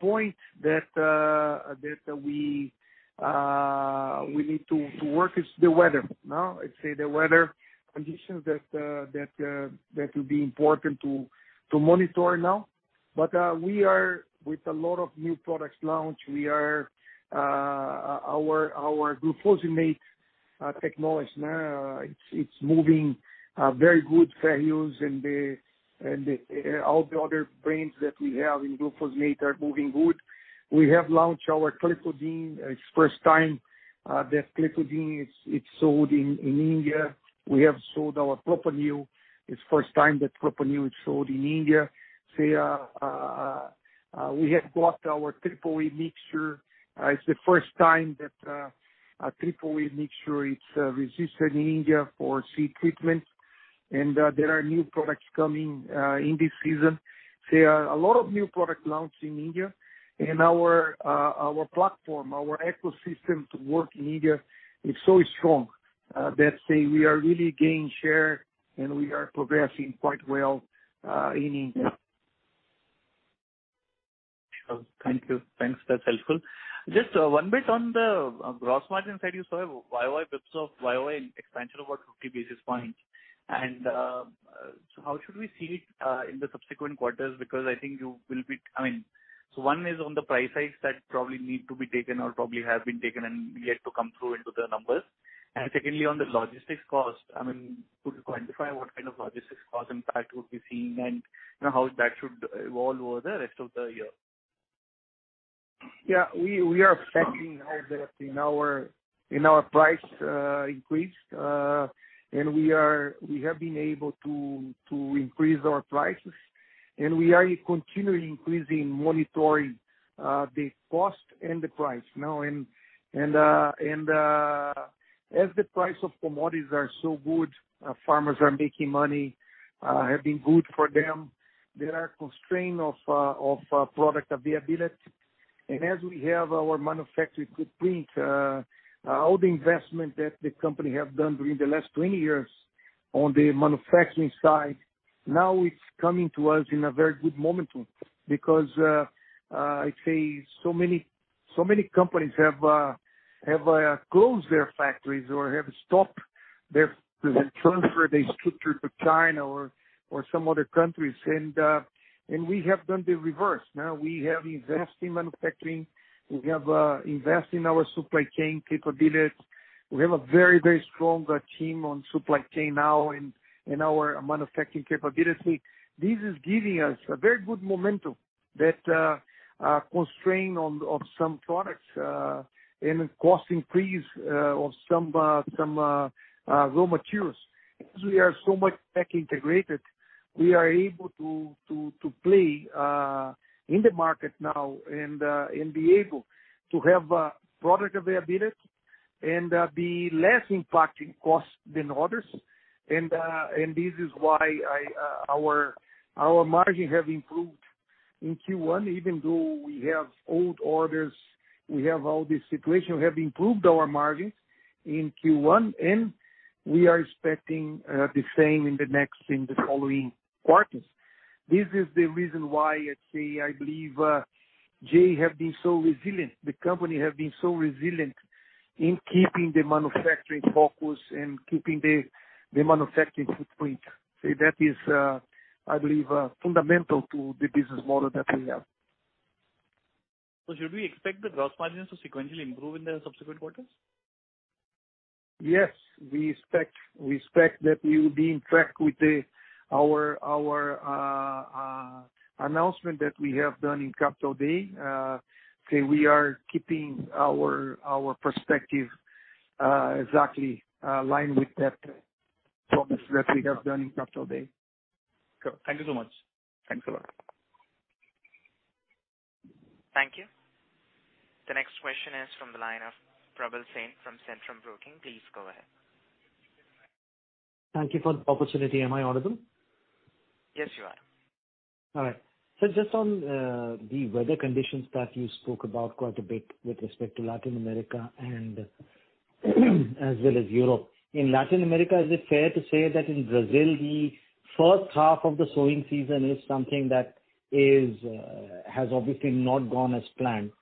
point that we need to work is the weather. Now, I'd say the weather conditions that will be important to monitor now. We are with a lot of new products launch. Our glufosinate technology now, it's moving very good values and all the other brands that we have in glufosinate are moving good. We have launched our clethodim. It's first time that clethodim, it's sold in India. We have sold our propanil. It's first time that propanil is sold in India. Say, we have brought our TripleWE mixture. It's the first time that TripleWE mixture, it's registered in India for seed treatment. There are new products coming in this season. There are a lot of new product launch in India and our platform, our ecosystem to work in India is so strong, that say, we are really gaining share and we are progressing quite well, in India. Sure. Thank you. Thanks. That's helpful. Just one bit on the gross margin side, you saw a year-over-year expansion of about 50 basis points. How should we see it in the subsequent quarters? One is on the price side that probably need to be taken or probably have been taken and yet to come through into the numbers. Secondly, on the logistics cost, could you quantify what kind of logistics cost impact we'll be seeing and how that should evolve over the rest of the year? Yeah. We are affecting all that in our price increase. We have been able to increase our prices, and we are continuing increasing monitoring the cost and the price. As the price of commodities are so good, farmers are making money, have been good for them. There are constraints of product availability. As we have our manufacturing footprint, all the investment that the company has done during the last 20 years on the manufacturing side, now it's coming to us in a very good momentum because, I'd say, so many companies have closed their factories or have stopped. They've transferred their structure to China or some other countries, and we have done the reverse. We have invested in manufacturing. We have invested in our supply chain capabilities. We have a very strong team on supply chain now and our manufacturing capability. This is giving us a very good momentum, constrained on some products, and cost increase of some raw materials. Because we are so much tech integrated, we are able to play in the market now and be able to have product availability and be less impacting cost than others. This is why our margin have improved in Q1, even though we have old orders, we have all this situation, we have improved our margin in Q1, and we are expecting the same in the following quarters. This is the reason why, I'd say, I believe, Jai have been so resilient. The company have been so resilient in keeping the manufacturing focus and keeping the manufacturing footprint. That is, I believe, fundamental to the business model that we have. Should we expect the gross margins to sequentially improve in the subsequent quarters? Yes, we expect that we will be on track with our announcement that we have done in Capital Markets Day. We are keeping our perspective exactly aligned with that promise that we have done in Capital Markets Day. Cool. Thank you so much. Thanks a lot. Thank you. The next question is from the line of Prabal Singh from Centrum Broking. Please go ahead. Thank you for the opportunity. Am I audible? Yes, you are. All right. Just on the weather conditions that you spoke about quite a bit with respect to Latin America and as well as Europe. In Latin America, is it fair to say that in Brazil, the first half of the sowing season is something that has obviously not gone as planned.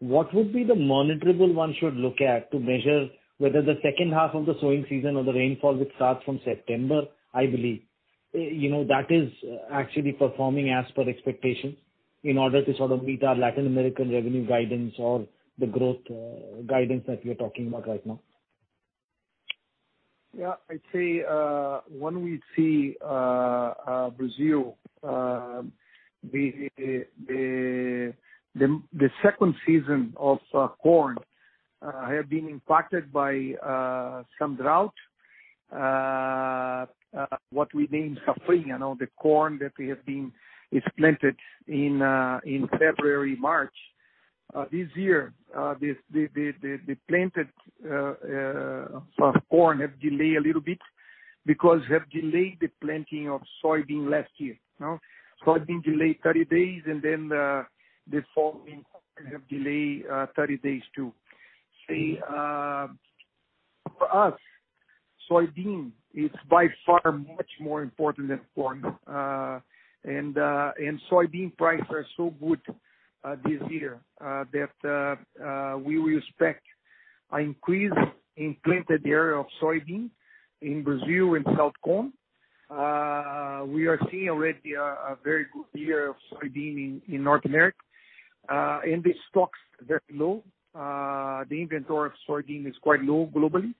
What would be the monetizable one should look at to measure whether the second half of the sowing season or the rainfall, which starts from September, I believe, that is actually performing as per expectations in order to sort of meet our Latin American revenue guidance or the growth guidance that we're talking about right now? Yeah, I'd say, when we see Brazil, the second season of corn have been impacted by some drought, what we named Safrinha, the corn that we have been is planted in February, March. This year, the planted corn have delay a little bit because have delayed the planting of soybean last year. Soybean delayed 30 days, then the following corn have delay 30 days, too. For us, soybean is by far much more important than corn. Soybean prices are so good this year, that we will expect an increase in planted area of soybean in Brazil and South Cone. We are seeing already a very good year of soybean in North America. The stocks very low. The inventory of soybean is quite low globally.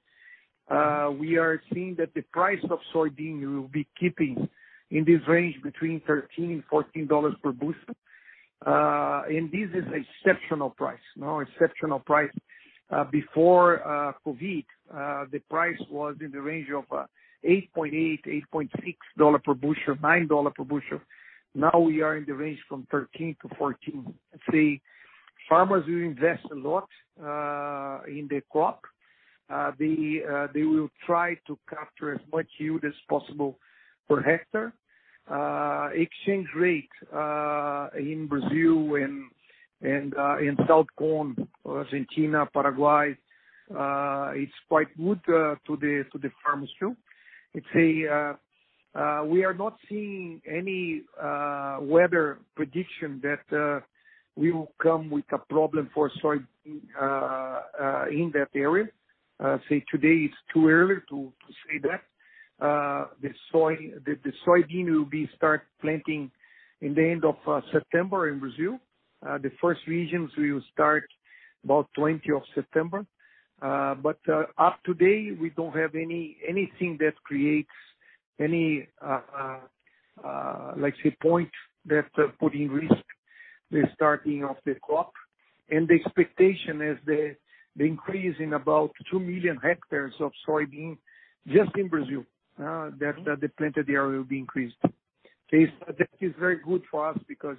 We are seeing that the price of soybean will be keeping in this range between $13-$14 per bushel. This is exceptional price. Before COVID, the price was in the range of $8.8, $8.6 per bushel, $9 per bushel. Now we are in the range from $13-$14. Farmers will invest a lot in the crop. They will try to capture as much yield as possible per hectare. Exchange rate, in Brazil and in South Cone, Argentina, Paraguay, it's quite good to the farmers, too. We are not seeing any weather prediction that will come with a problem for soybean in that area. Say, today is too early to say that. The soybean will be start planting in the end of September in Brazil. The first regions will start about 20 of September. Up today, we don't have anything that creates any, let's say, point that put in risk the starting of the crop. The expectation is the increase in about 2 million hectares of soybean just in Brazil that the planted area will be increased. That is very good for us because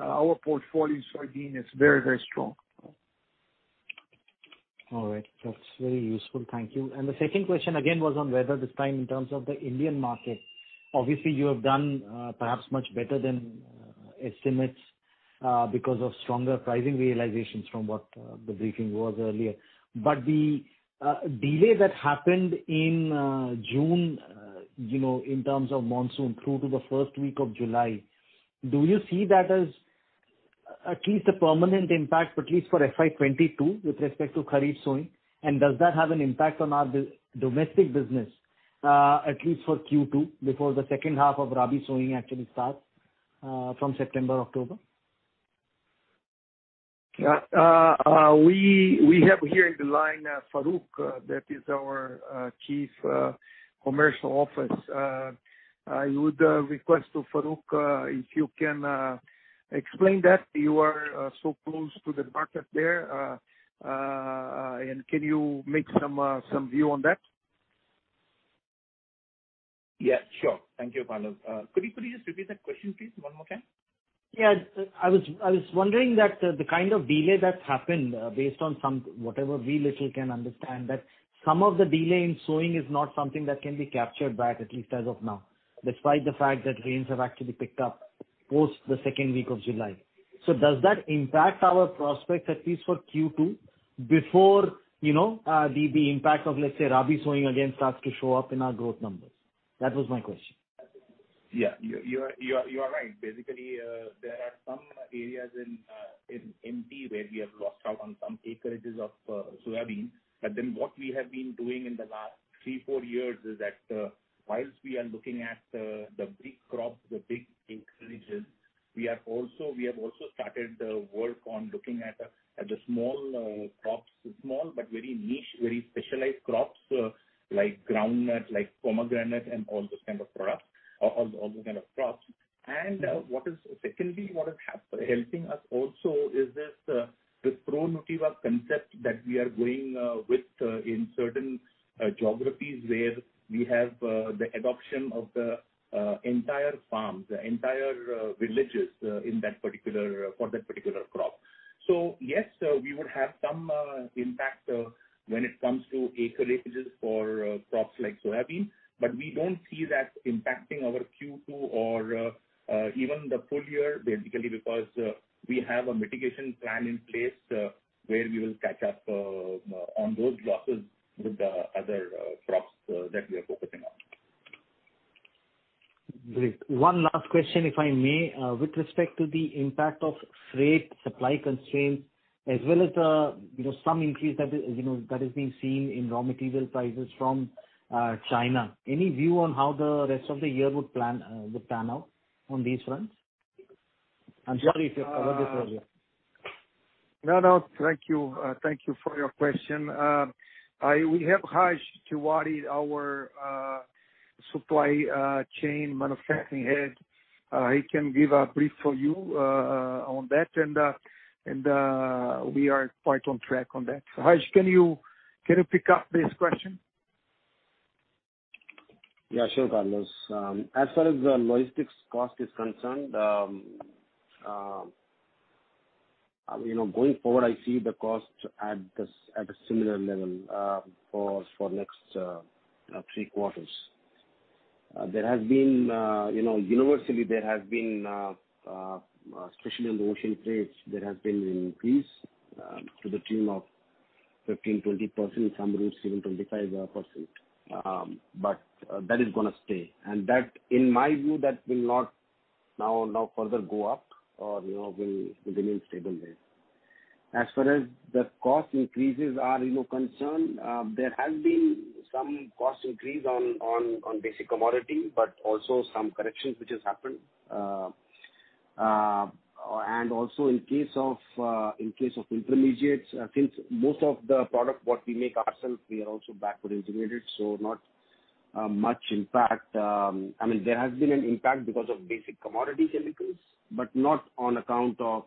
our portfolio soybean is very strong. All right. That is very useful. Thank you. The second question again was on weather this time in terms of the Indian market. Obviously, you have done perhaps much better than estimates because of stronger pricing realizations from what the briefing was earlier. The delay that happened in June, in terms of monsoon through to the first week of July, do you see that as at least a permanent impact, at least for FY 2022 with respect to kharif sowing. Does that have an impact on our domestic business at least for Q2 before the second half of rabi sowing actually starts from September, October? We have here in the line Farokh, that is our Chief Commercial Officer. I would request to Farokh, if you can explain that. You are so close to the market there, can you make some view on that? Yeah, sure. Thank you, Carlos. Could you please repeat that question, please, one more time? I was wondering that the kind of delay that's happened based on whatever we little can understand, that some of the delay in sowing is not something that can be captured back, at least as of now, despite the fact that rains have actually picked up post the second week of July. Does that impact our prospects, at least for Q2 before the impact of, let's say, rabi sowing again starts to show up in our growth numbers? That was my question. You are right. There are some areas in MP where we have lost out on some acreages of soybeans. What we have been doing in the last three, four years is that, whilst we are looking at the big crop, the big acreages, we have also started the work on looking at the small crops. Small but very niche, very specialized crops, like groundnut, like pomegranate and all those kinds of products, all those kinds of crops. Secondly, what is helping us also is this, the ProNutiva concept that we are going with in certain geographies where we have the adoption of the entire farms, the entire villages for that particular crop. Yes, we would have some impact when it comes to acreages for crops like soybean. We don't see that impacting our Q2 or even the full year, basically because we have a mitigation plan in place where we will catch up on those losses with the other crops that we are focusing on. Great. One last question, if I may. With respect to the impact of freight supply constraints as well as some increase that is being seen in raw material prices from China, any view on how the rest of the year would pan out on these fronts? I'm sorry if you covered this earlier. No, no. Thank you for your question. We have Raj Tiwari, our supply chain manufacturing head. He can give a brief for you on that, and we are quite on track on that. Raj, can you pick up this question? Yeah, sure, Carlos. As far as the logistics cost is concerned, going forward, I see the cost at a similar level for next three quarters. Universally, there has been, especially on the ocean trades, there has been an increase to the tune of 15%, 20%. In some routes even 25%. That is going to stay. In my view, that will not now further go up or will remain stable there. As far as the cost increases are concerned, there has been some cost increase on basic commodity, also some corrections which has happened. Also in case of intermediates, since most of the product what we make ourselves, we are also backward integrated, not much impact. There has been an impact because of basic commodity increases, but not on account of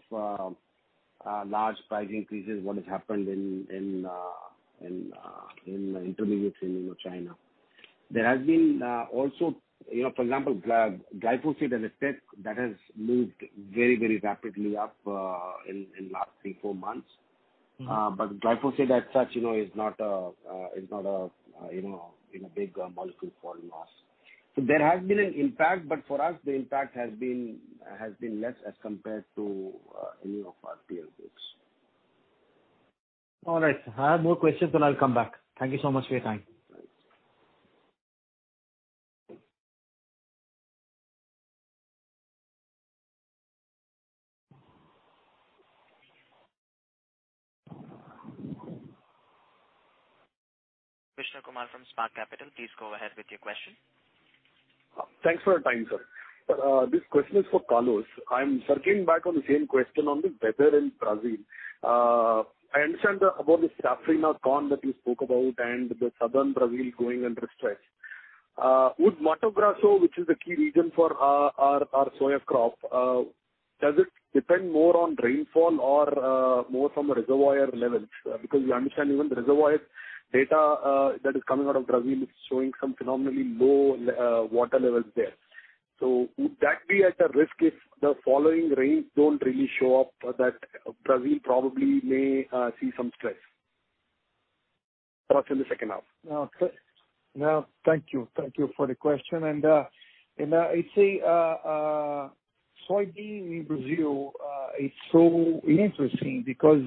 large price increases, what has happened in intermediates in China. There has been also, for example, glyphosate and glufosinate that has moved very rapidly up in last three, four months. Glyphosate as such is not a big molecule for us. There has been an impact, but for us the impact has been less as compared to any of our peer groups. All right, sir. I have more questions. I'll come back. Thank you so much for your time. Thanks. Vishnu Kumar from Spark Capital, please go ahead with your question. Thanks for the time, sir. This question is for Carlos. I'm circling back on the same question on the weather in Brazil. I understand about the Safrinha corn that you spoke about and the Southern Brazil going under stress. Would Mato Grosso, which is the key region for our soya crop, does it depend more on rainfall or more from reservoir levels? We understand even the reservoir data that is coming out of Brazil is showing some phenomenally low water levels there. Would that be at a risk if the following rains don't really show up that Brazil probably may see some stress perhaps in the second half? No. Thank you for the question. I say soybean in Brazil is so interesting because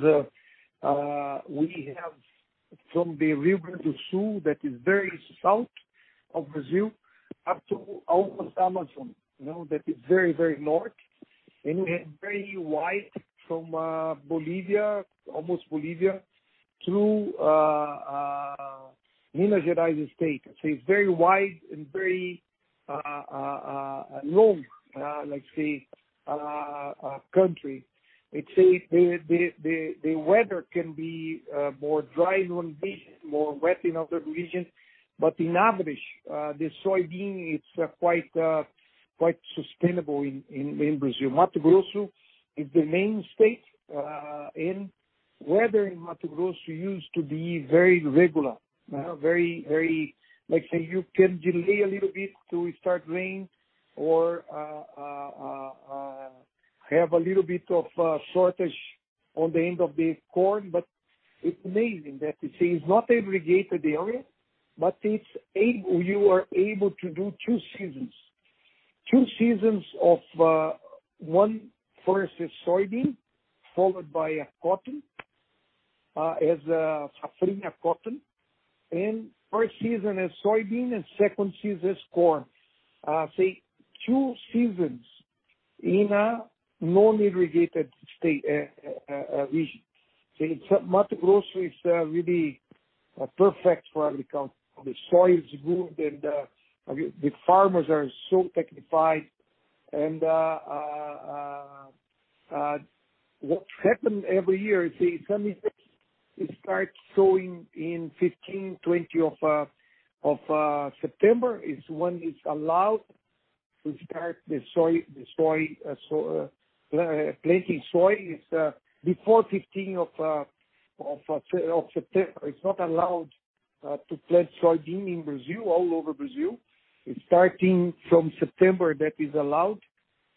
we have from the Rio Grande do Sul that is very south of Brazil up to almost Amazon. That is very north, and very wide from almost Bolivia through Minas Gerais state. It's very wide and very long country. The weather can be more dry in one region, more wet in other regions, but in average, the soybean it's quite sustainable in Brazil. Mato Grosso is the main state, and weather in Mato Grosso used to be very regular. Like say, you can delay a little bit to start rain or have a little bit of shortage on the end of the corn, but it's amazing that it is not irrigated area, but you are able to do two seasons. Two seasons of, one first is soybean, followed by a cotton, as a Safrinha cotton. First season is soybean and second season is corn. Two seasons in a non-irrigated region. Mato Grosso is really perfect for agriculture. The soil is good, and the farmers are so technified. What happen every year is, they start sowing in 15th, 20th of September is when it's allowed to start the planting soy. Before 15th of September, it's not allowed to plant soybean in Brazil, all over Brazil. It's starting from September that is allowed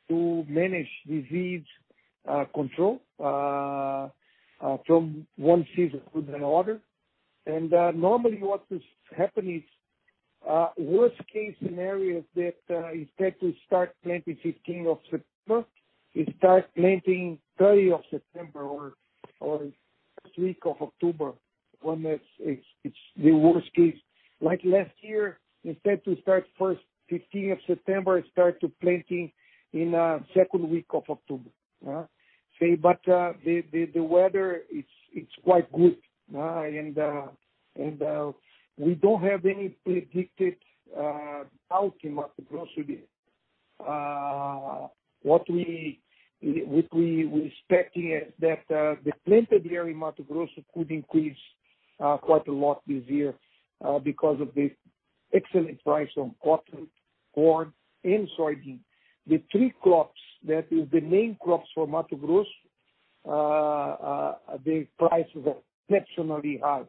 to manage disease control from one season to another. Normally what is happening is, worst case scenario is that instead to start planting 15th of September, it starts planting 30th of September or first week of October when it's the worst case. Like last year, instead to start first 15th of September, it start to planting in second week of October. The weather it's quite good now, and we don't have any predicted drought in Mato Grosso this year. What we expecting is that the planted area in Mato Grosso could increase quite a lot this year because of the excellent price on cotton, corn, and soybean. The three crops, that is the main crops for Mato Grosso, the prices are exceptionally high.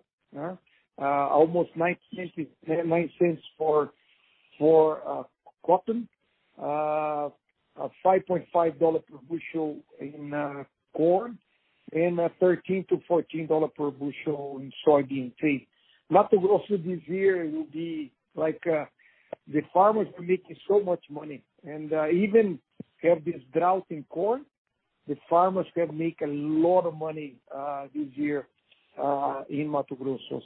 Almost $0.09 for cotton, $5.5 per bushel in corn, and $13-$14 per bushel in soybean. Mato Grosso this year will be like, the farmers are making so much money. Even have this drought in corn, the farmers can make a lot of money this year in Mato Grosso.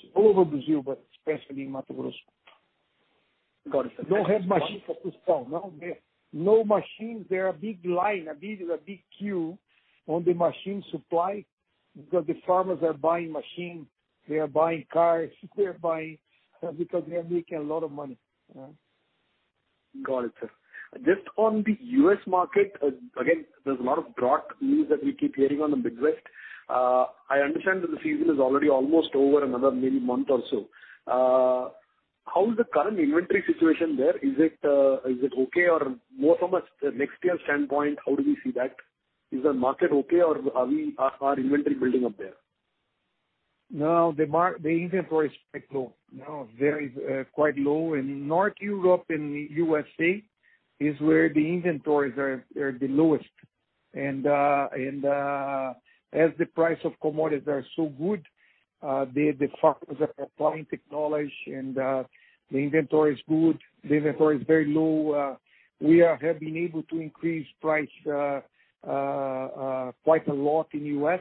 Especially in Mato Grosso. Got it, sir. No machines there. A big line, a big queue on the machine supply because the farmers are buying machine, they are buying cars, because they are making a lot of money. Got it, sir. Just on the U.S. market, again, there's a lot of drought news that we keep hearing on the Midwest. I understand that the season is already almost over, another maybe month or so. How is the current inventory situation there? Is it okay? Or more from a next year standpoint, how do we see that? Is the market okay or are inventory building up there? The inventory is quite low. Very quite low. In North Europe and U.S.A. is where the inventories are the lowest. As the price of commodities are so good, the farmers are applying technology and the inventory is good. The inventory is very low. We have been able to increase price quite a lot in the U.S.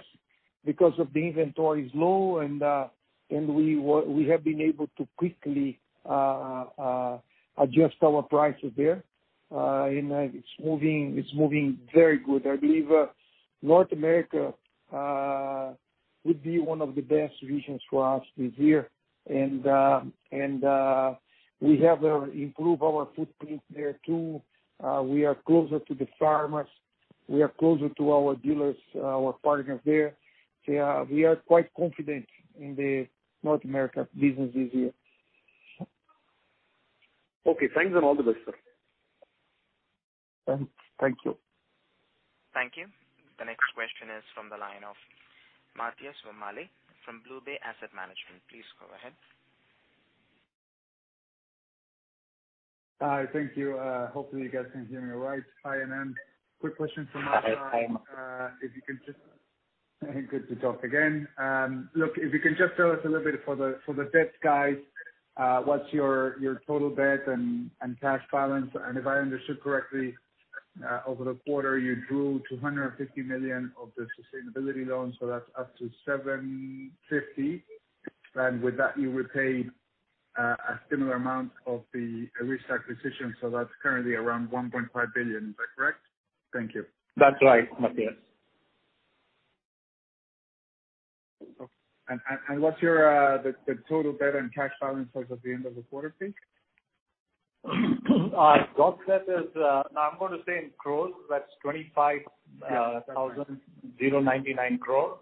because of the inventory is low, and we have been able to quickly adjust our prices there. It's moving very good. I believe North America would be one of the best regions for us this year. We have improved our footprint there, too. We are closer to the farmers. We are closer to our dealers, our partners there. Yeah, we are quite confident in the North America business this year. Okay. Thanks and all the best, sir. Thanks. Thank you. Thank you. The next question is from the line of Matias Vammale from BlueBay Asset Management. Please go ahead. Hi. Thank you. Hopefully you guys can hear me all right. Hi, Anand. Quick question from my side. Good to talk again. If you can just tell us a little bit for the debt guys, what's your total debt and cash balance? If I understood correctly. Over the quarter, you drew $250 million of the sustainability loan, so that's up to $750 million. With that you repaid a similar amount of the Arysta acquisition, so that's currently around $1.5 billion. Is that correct? Thank you. That's right, Matías. What's your total debt and cash balance as of the end of the quarter, please? Our gross debt is, I'm going to say in crores. That's 25,099 crore,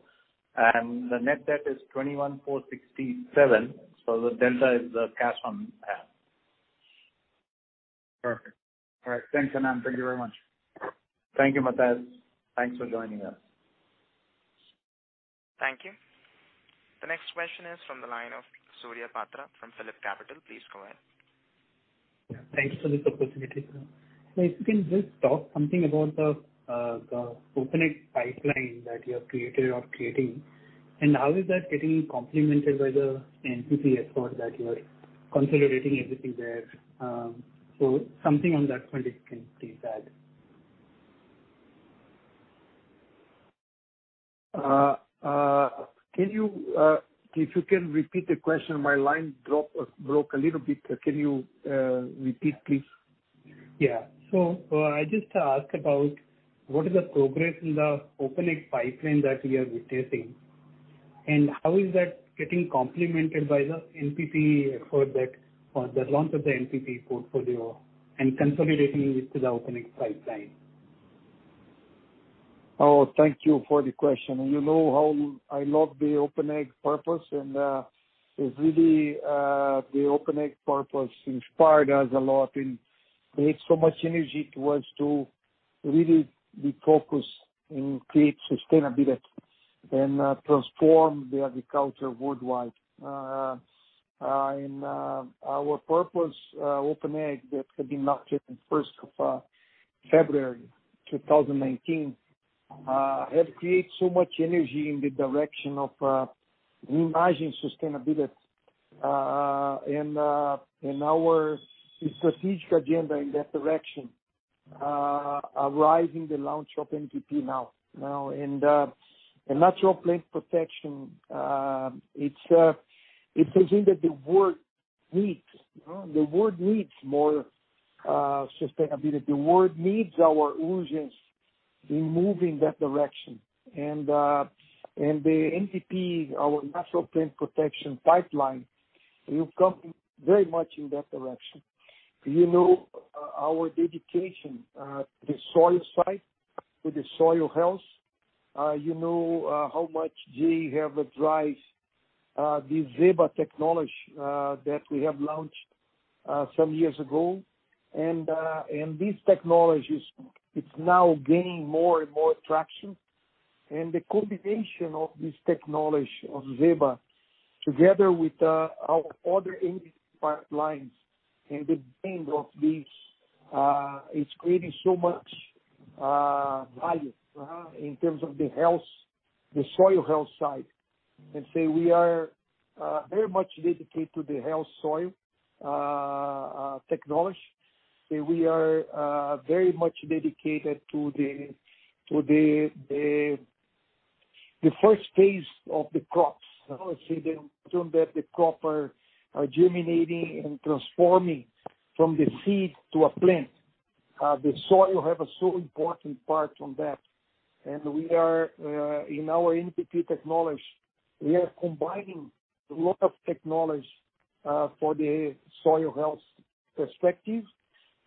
and the net debt is 21,467 crore. The delta is the cash on hand. Perfect. All right. Thanks, Anand. Thank you very much. Thank you, Matias. Thanks for joining us. Thank you. The next question is from the line of Surya Patra from PhillipCapital. Please go ahead. Thank you for this opportunity. If you can just talk something about the OpenAg pipeline that you have created or creating, and how is that getting complemented by the NPP effort that you are consolidating everything there. Something on that point you can please add. If you can repeat the question, my line broke a little bit. Can you repeat, please? Yeah. I just ask about, what is the progress in the OpenAg pipeline that we are witnessing, and how is that getting complemented by the NPP effort that, or the launch of the NPP portfolio and consolidating it to the OpenAg pipeline? Thank you for the question. You know how I love the OpenAg purpose, really, the OpenAg purpose inspired us a lot and gave so much energy to us to really be focused and create sustainability and transform the agriculture worldwide. Our purpose, OpenAg, that had been launched in the 1st of February 2019, has created so much energy in the direction of reimagining sustainability, and our strategic agenda in that direction, arising the launch of NPP now. Natural Plant Protection, it's a thing that the world needs. The world needs more sustainability. The world needs our urgency in moving that direction. The NPP, our Natural Plant Protection pipeline, will come very much in that direction. You know our dedication to the soil side, to the soil health. You know how much GA have addressed the Zeba technology that we have launched some years ago. This technology, it's now gaining more and more traction. The combination of this technology of Zeba, together with our other NPP pipelines and the blend of these, is creating so much value in terms of the soil health side. We are very much dedicated to the health soil technology. We are very much dedicated to the first phase of the crops. The return that the crop are germinating and transforming from the seed to a plant. The soil have a so important part on that. In our NPP technology, we are combining a lot of technology for the soil health perspective,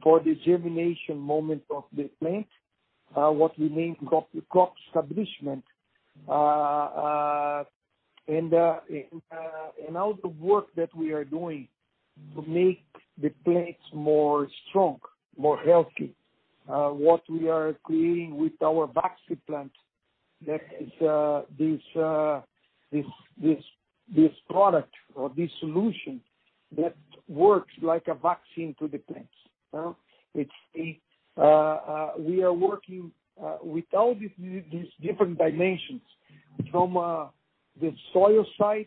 for the germination moment of the plant, what we mean crop establishment. All the work that we are doing to make the plants more strong, more healthy. What we are creating with our Vacciplant, that is this product or this solution that works like a vaccine to the plants. We are working with all these different dimensions, from the soil side,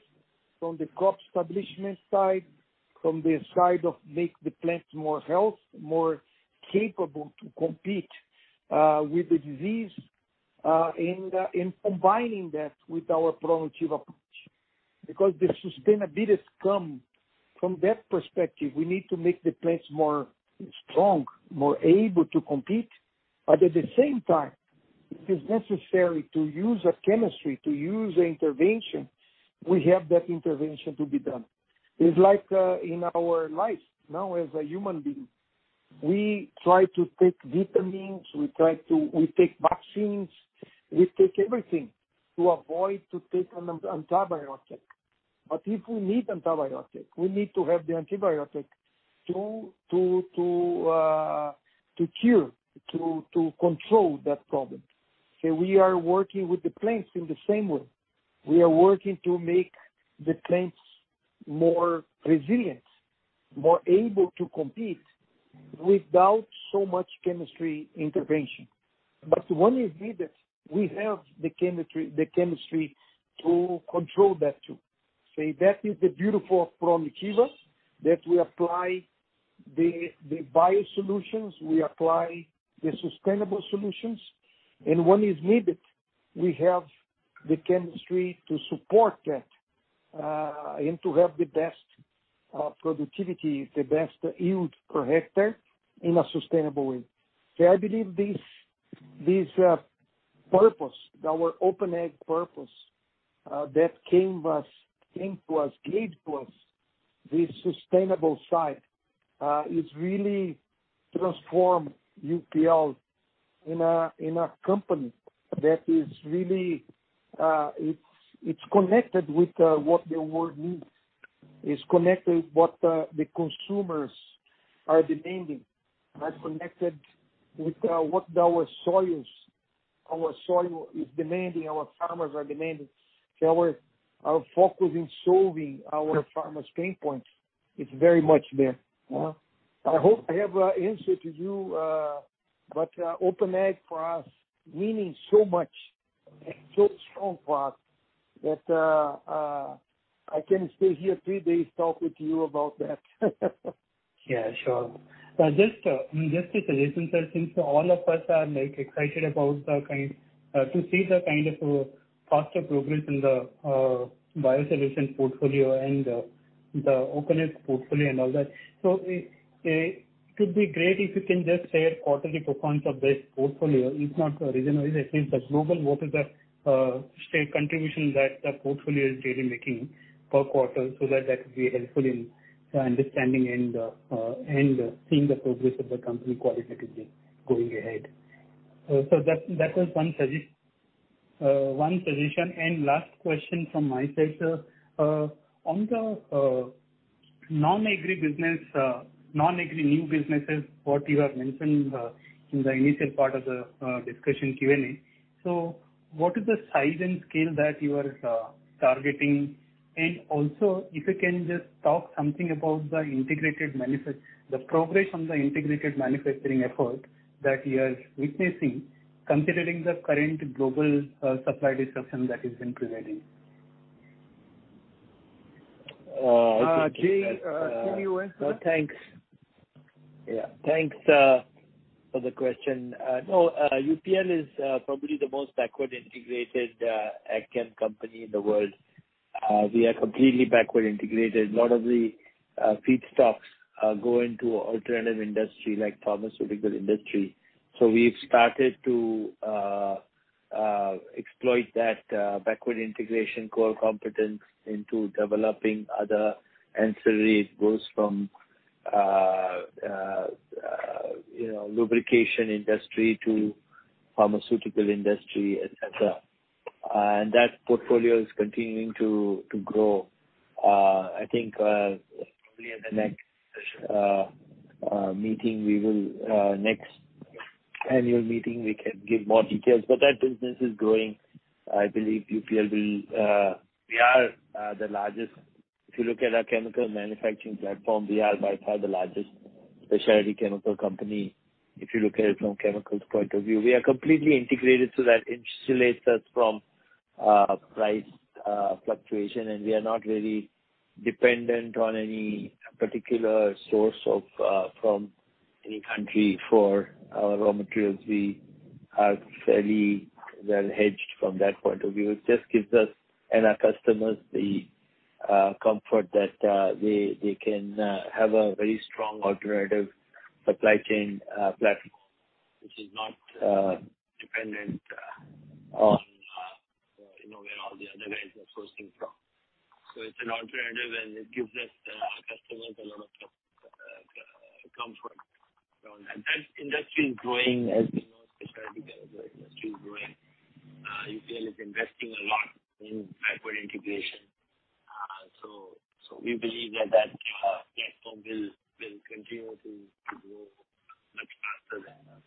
from the crop establishment side, from the side of make the plant more health, more capable to compete with the disease, and combining that with our ProNutiva approach. The sustainability comes from that perspective. We need to make the plants more strong, more able to compete. At the same time, if it's necessary to use a chemistry, to use intervention, we have that intervention to be done. It's like in our life now as a human being. We try to take vitamins. We take vaccines. We take everything to avoid to take an antibiotic. If we need antibiotic, we need to have the antibiotic to cure, to control that problem. We are working with the plants in the same way. We are working to make the plants more resilient, more able to compete without so much chemistry intervention. But when it's needed, we have the chemistry to control that too. That is the beautiful from Kiva, that we apply the biosolutions, we apply the sustainable solutions, and when is needed, we have the chemistry to support that, and to have the best productivity, the best yield per hectare in a sustainable way. I believe this purpose, our OpenAg purpose, that came to us, gave to us this sustainable side, is really transformed UPL in a company that is really connected with what the world needs. It's connected what the consumers are demanding. It's connected with what our soil is demanding, our farmers are demanding. Our focus in solving our farmers' pain points, it's very much there. I hope I have answered you, but OpenAg for us means so much and so strong for us that I can stay here three days talk with you about that. Yeah, sure. Just a suggestion, since all of us are excited to see the kind of faster progress in the biosolutions portfolio and the OpenAg portfolio and all that. It could be great if you can just share quarterly performance of this portfolio. If not regionally, at least global, what is the contribution that the portfolio is really making per quarter, so that could be helpful in understanding and seeing the progress of the company qualitatively going ahead. That was one suggestion. Last question from my side, sir. On the non-agri new businesses, what you have mentioned in the initial part of the discussion Q&A. What is the size and scale that you are targeting? Also, if you can just talk something about the progress on the integrated manufacturing effort that you are witnessing, considering the current global supply disruption that has been prevailing. Jai, can you answer that? Thanks for the question. UPL is probably the most backward integrated ag chem company in the world. We are completely backward integrated. A lot of the feedstocks go into alternative industry like pharmaceutical industry. We've started to exploit that backward integration core competence into developing other ancillary. It goes from lubrication industry to pharmaceutical industry, et cetera. That portfolio is continuing to grow. I think probably at the next annual meeting, we can give more details. That business is growing. If you look at our chemical manufacturing platform, we are by far the largest specialty chemical company, if you look at it from chemicals point of view. We are completely integrated, so that insulates us from price fluctuation, and we are not really dependent on any particular source from any country for our raw materials. We are fairly well hedged from that point of view. It just gives us and our customers the comfort that they can have a very strong alternative supply chain platform, which is not dependent on where all the other guys are sourcing from. It's an alternative, and it gives our customers a lot of comfort. That industry is growing, as you know, the chemical industry is growing. UPL is investing a lot in backward integration. We believe that that platform will continue to grow much faster than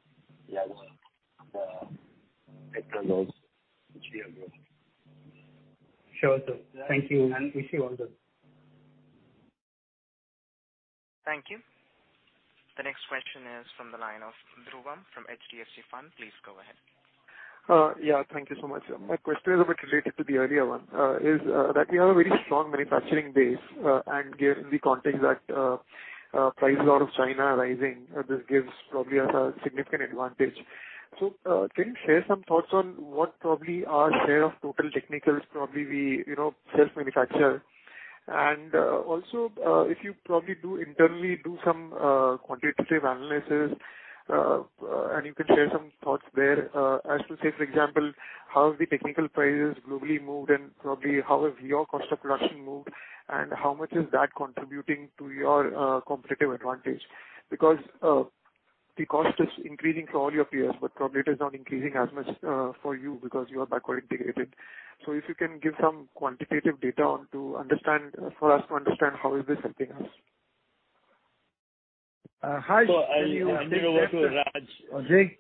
the other sectors which we are growing. Sure, sir. Thank you. Wish you all the best. Thank you. The next question is from the line of Dhruv Muchhal from HDFC Fund. Please go ahead. Yeah. Thank you so much. My question is a bit related to the earlier one, is that we have a very strong manufacturing base, and given the context that price out of China rising, this gives probably us a significant advantage. Can you share some thoughts on what probably our share of total technicals probably we self-manufacture? Also, if you probably internally do some quantitative analysis, and you can share some thoughts there. As to say, for example, how have the technical prices globally moved, and probably how has your cost of production moved, and how much is that contributing to your competitive advantage? The cost is increasing for all your peers, but probably it is not increasing as much for you because you are backward integrated. If you can give some quantitative data for us to understand how is this helping us. Hi, Dhruv. I'm going to go to Raj. Oh, Jai?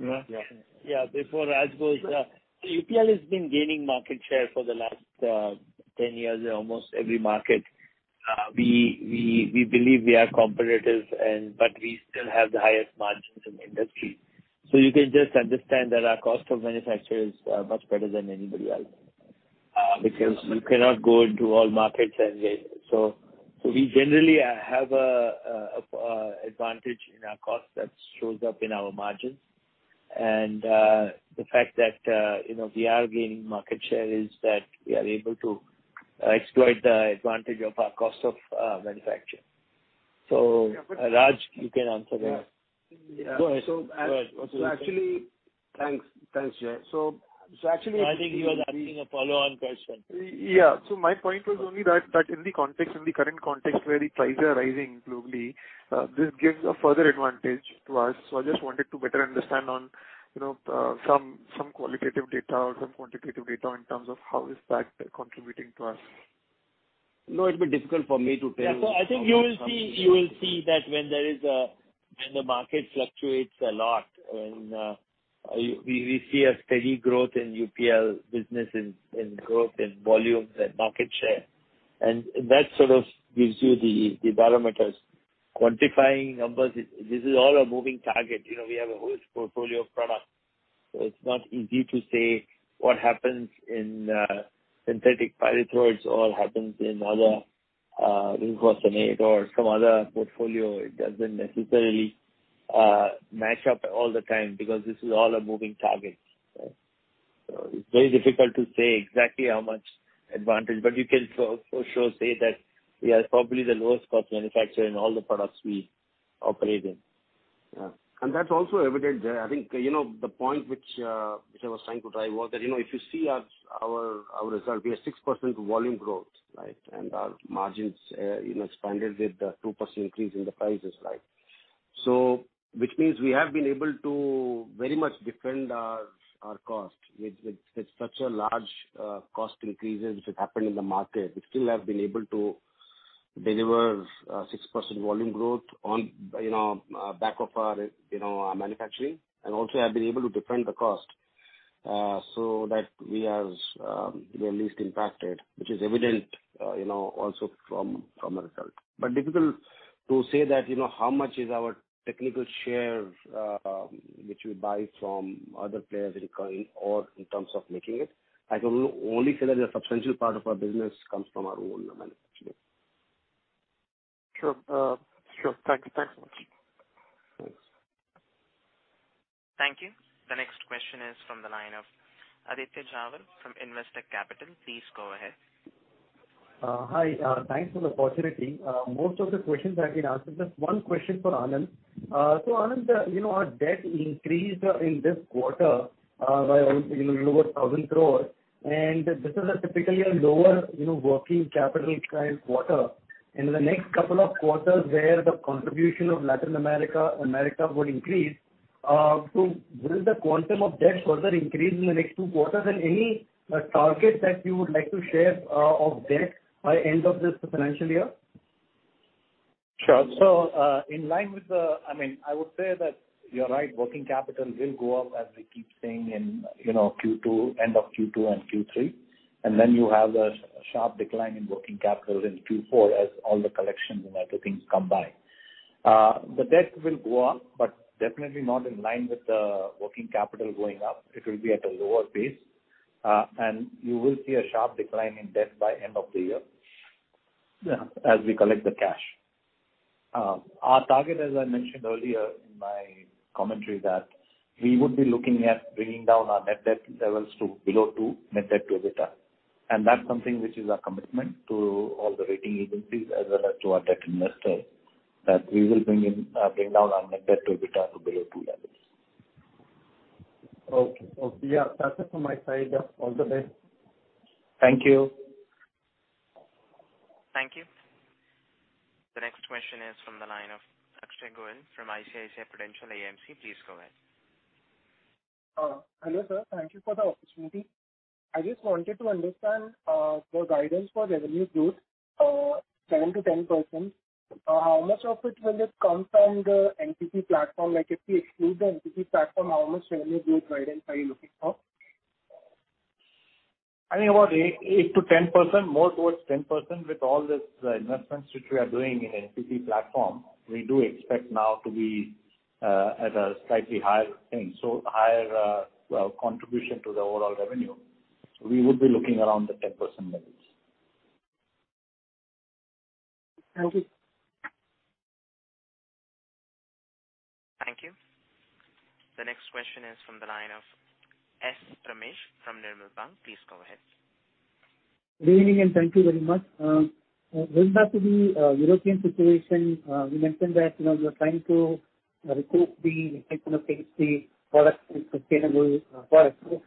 Yeah. Yeah. Before Raj goes, UPL has been gaining market share for the last 10 years in almost every market. We believe we are competitive, we still have the highest margins in the industry. You can just understand that our cost of manufacture is much better than anybody else, because you cannot go into all markets. We generally have an advantage in our cost that shows up in our margins. The fact that we are gaining market share is that we are able to exploit the advantage of our cost of manufacture. Raj, you can answer that. Yeah. Go ahead. Thanks. I think he was asking a follow-on question. My point was only that in the current context where the prices are rising globally, this gives a further advantage to us. I just wanted to better understand on some qualitative data or some quantitative data in terms of how is that contributing to us. No, it would be difficult for me to tell you. I think you will see that when the market fluctuates a lot, we see a steady growth in UPL business in growth, in volume and market share. That sort of gives you the barometers. Quantifying numbers, this is all a moving target. We have a whole portfolio of products, so it's not easy to say what happens in synthetic pyrethroids or happens in other or some other portfolio. It doesn't necessarily match up all the time because this is all a moving target. It's very difficult to say exactly how much advantage, but you can for sure say that we are probably the lowest cost manufacturer in all the products we operate in. Yeah. That's also evident there. I think, the point which I was trying to drive was that if you see our result, we have 6% volume growth, right. Our margins expanded with the 2% increase in the prices, right. Which means we have been able to very much defend our cost with such large cost increases which happened in the market. We still have been able to deliver 6% volume growth on back of our manufacturing, and also have been able to defend the cost so that we are the least impacted, which is evident also from the result. Difficult to say that how much is our technical share which we buy from other players in kind or in terms of making it. I can only say that a substantial part of our business comes from our own manufacturing. Sure. Thanks much. Thank you. The next question is from the line of Aditya Jhawar from Investec Capital. Please go ahead. Hi. Thanks for the opportunity. Most of the questions have been answered. Just one question for Anand. Anand, our debt increased in this quarter by over 1,000 crores, and this is typically a lower working capital kind quarter. In the next couple of quarters where the contribution of Latin America would increase. Will the quantum of debt further increase in the next two quarters, and any target that you would like to share of debt by end of this financial year? Sure. I would say that you're right, working capital will go up as we keep saying in end of Q2 and Q3. You have a sharp decline in working capital in Q4 as all the collections and other things come by. The debt will go up, but definitely not in line with the working capital going up. It will be at a lower pace. You will see a sharp decline in debt by end of the year. Yeah as we collect the cash. Our target, as I mentioned earlier in my commentary, that we would be looking at bringing down our net debt levels to below two, net debt to EBITDA. That's something which is our commitment to all the rating agencies as well as to our debt investors, that we will bring down our net debt to EBITDA to below two levels. Okay. Yeah. That's it from my side. All the best. Thank you. Thank you. The next question is from the line of Akshay Jain from ICICI Prudential AMC. Please go ahead. Hello, sir. Thank you for the opportunity. I just wanted to understand the guidance for revenue growth, 7%-10%. How much of it will come from the NPP platform? Like if we exclude the NPP platform, how much revenue growth guidance are you looking for? I think about 8%-10%, more towards 10% with all the investments which we are doing in NPP platform. We do expect now to be at a slightly higher contribution to the overall revenue. We would be looking around the 10% levels. Thank you. Thank you. The next question is from the line of S. Ramesh from Nirmal Bang. Please go ahead. Good evening, thank you very much. Going back to the European situation, you mentioned that you are trying to recoup the technical efficacy product and sustainable product. What is the transition time and to what extent do you expect your growth rate in a few quarters? Can you share some thoughts on that?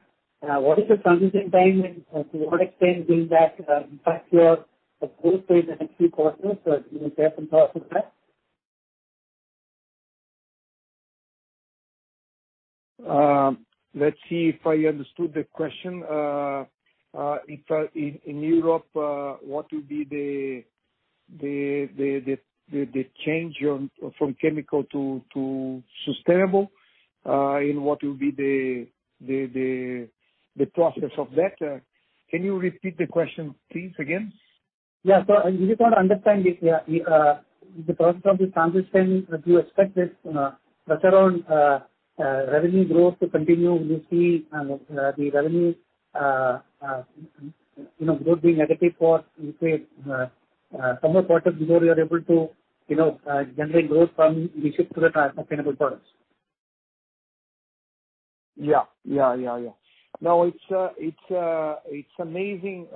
Let's see if I understood the question. In Europe, what will be the change from chemical to sustainable? In what will be the process of that. Can you repeat the question please, again? Yeah. I just want to understand the process of the transition that you expected, better on revenue growth to continue. You see the revenue growth being negative for, you say, some more quarters before you're able to generate growth from the shift to the sustainable products? Yeah. Now it's amazing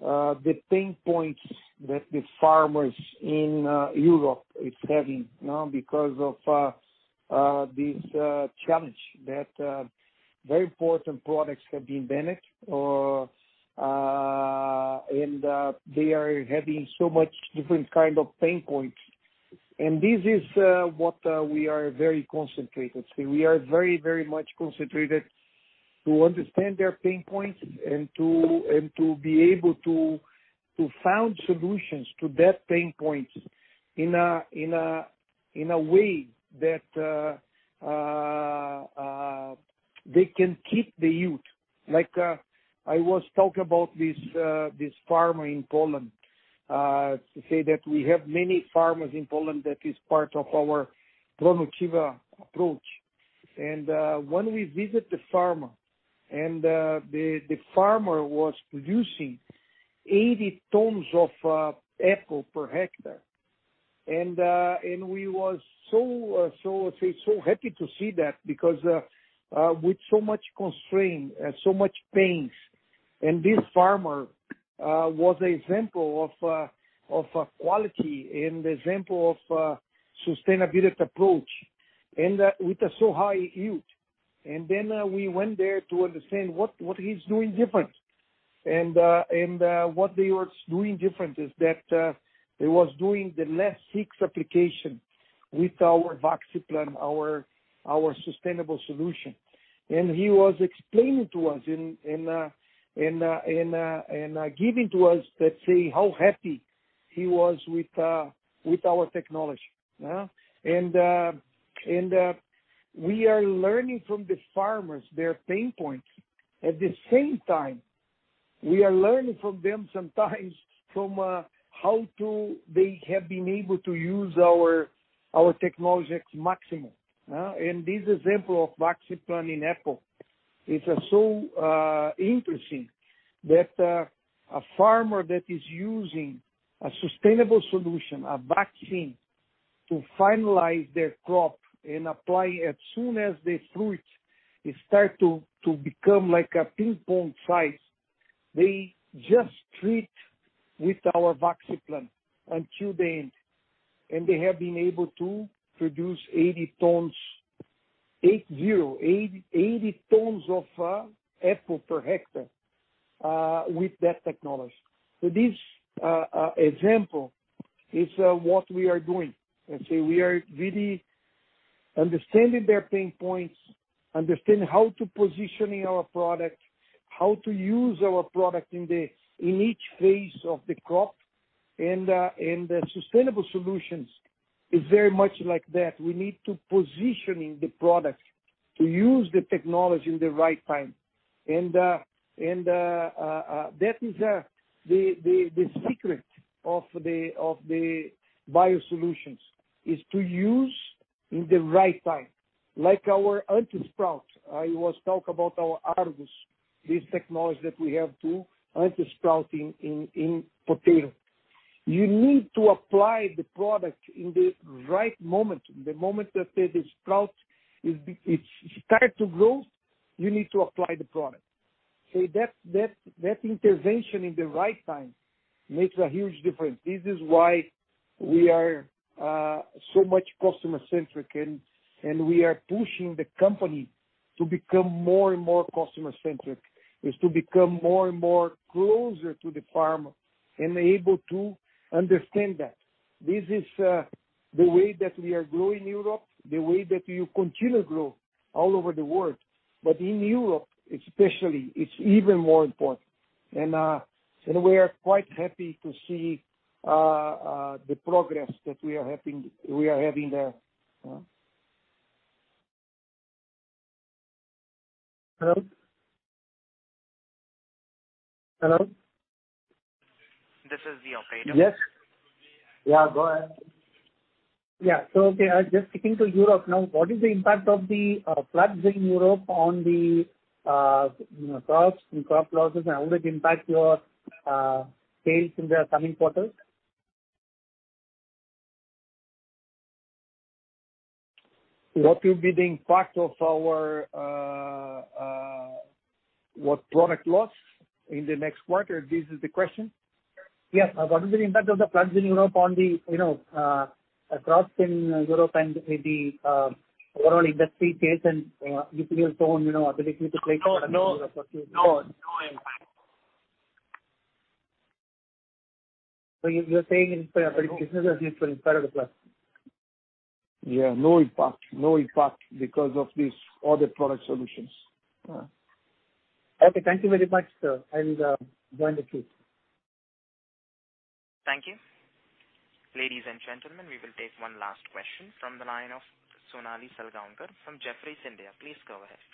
the pain points that the farmers in Europe is having now because of this challenge that very important products have been banned. They are having so much different kind of pain points. This is what we are very concentrated. We are very much concentrated to understand their pain points and to be able to find solutions to that pain points in a way that they can keep the yield. Like I was talking about this farmer in Poland, to say that we have many farmers in Poland that is part of our ProNutiva approach. When we visit the farmer and the farmer was producing 80 tons of apple per hectare, we were so happy to see that because with so much constraint and so much pains. This farmer was an example of quality and an example of sustainability approach, with a so high yield. Then we went there to understand what he's doing different. What they were doing different is that they were doing the last six applications with our Vacciplant, our sustainable solution. He was explaining to us and giving to us, let's say, how happy he was with our technology. We are learning from the farmers, their pain points. At the same time, we are learning from them sometimes from how they have been able to use our technology at maximum. This example of Vacciplant in apple is so interesting that a farmer that is using a sustainable solution, a vaccine, to finalize their crop and apply as soon as the fruit start to become like a ping-pong size. They just treat with our Vacciplant until the end, and they have been able to produce 80 tons, 80 tons of apple per hectare with that technology. This example is what we are doing. Let's say we are really understanding their pain points, understanding how to positioning our product, how to use our product in each phase of the crop. Sustainable solutions is very much like that. We need to positioning the products to use the technology in the right time. That is the secret of the biosolutions, is to use in the right time. Like our anti-sprout. I was talk about our Argos, this technology that we have to anti-sprouting in potato. You need to apply the product in the right moment. The moment that the sprout it start to grow, you need to apply the product. That intervention in the right time makes a huge difference. This is why we are so much customer-centric and we are pushing the company to become more and more customer-centric, is to become more and more closer to the farmer and able to understand that. This is the way that we are growing Europe, the way that you continue grow all over the world. In Europe especially, it's even more important. We are quite happy to see the progress that we are having there. Hello? This is the operator. Yes. Yeah, go ahead. Yeah. Okay, just sticking to Europe now, what is the impact of the floods in Europe on the crops and crop losses, and how would it impact your sales in the coming quarters? What will be the impact of our product loss in the next quarter? This is the question? Yes. What will be the impact of the floods in Europe on the crops in Europe and the overall industry sales? Oh, no impact. You're saying business as usual in spite of the floods? Yeah. No impact because of this other product solutions. Okay, thank you very much, sir. I will join the queue. Thank you. Ladies and gentlemen, we will take one last question from the line of Sonali Salgaonkar from Jefferies India. Please go ahead.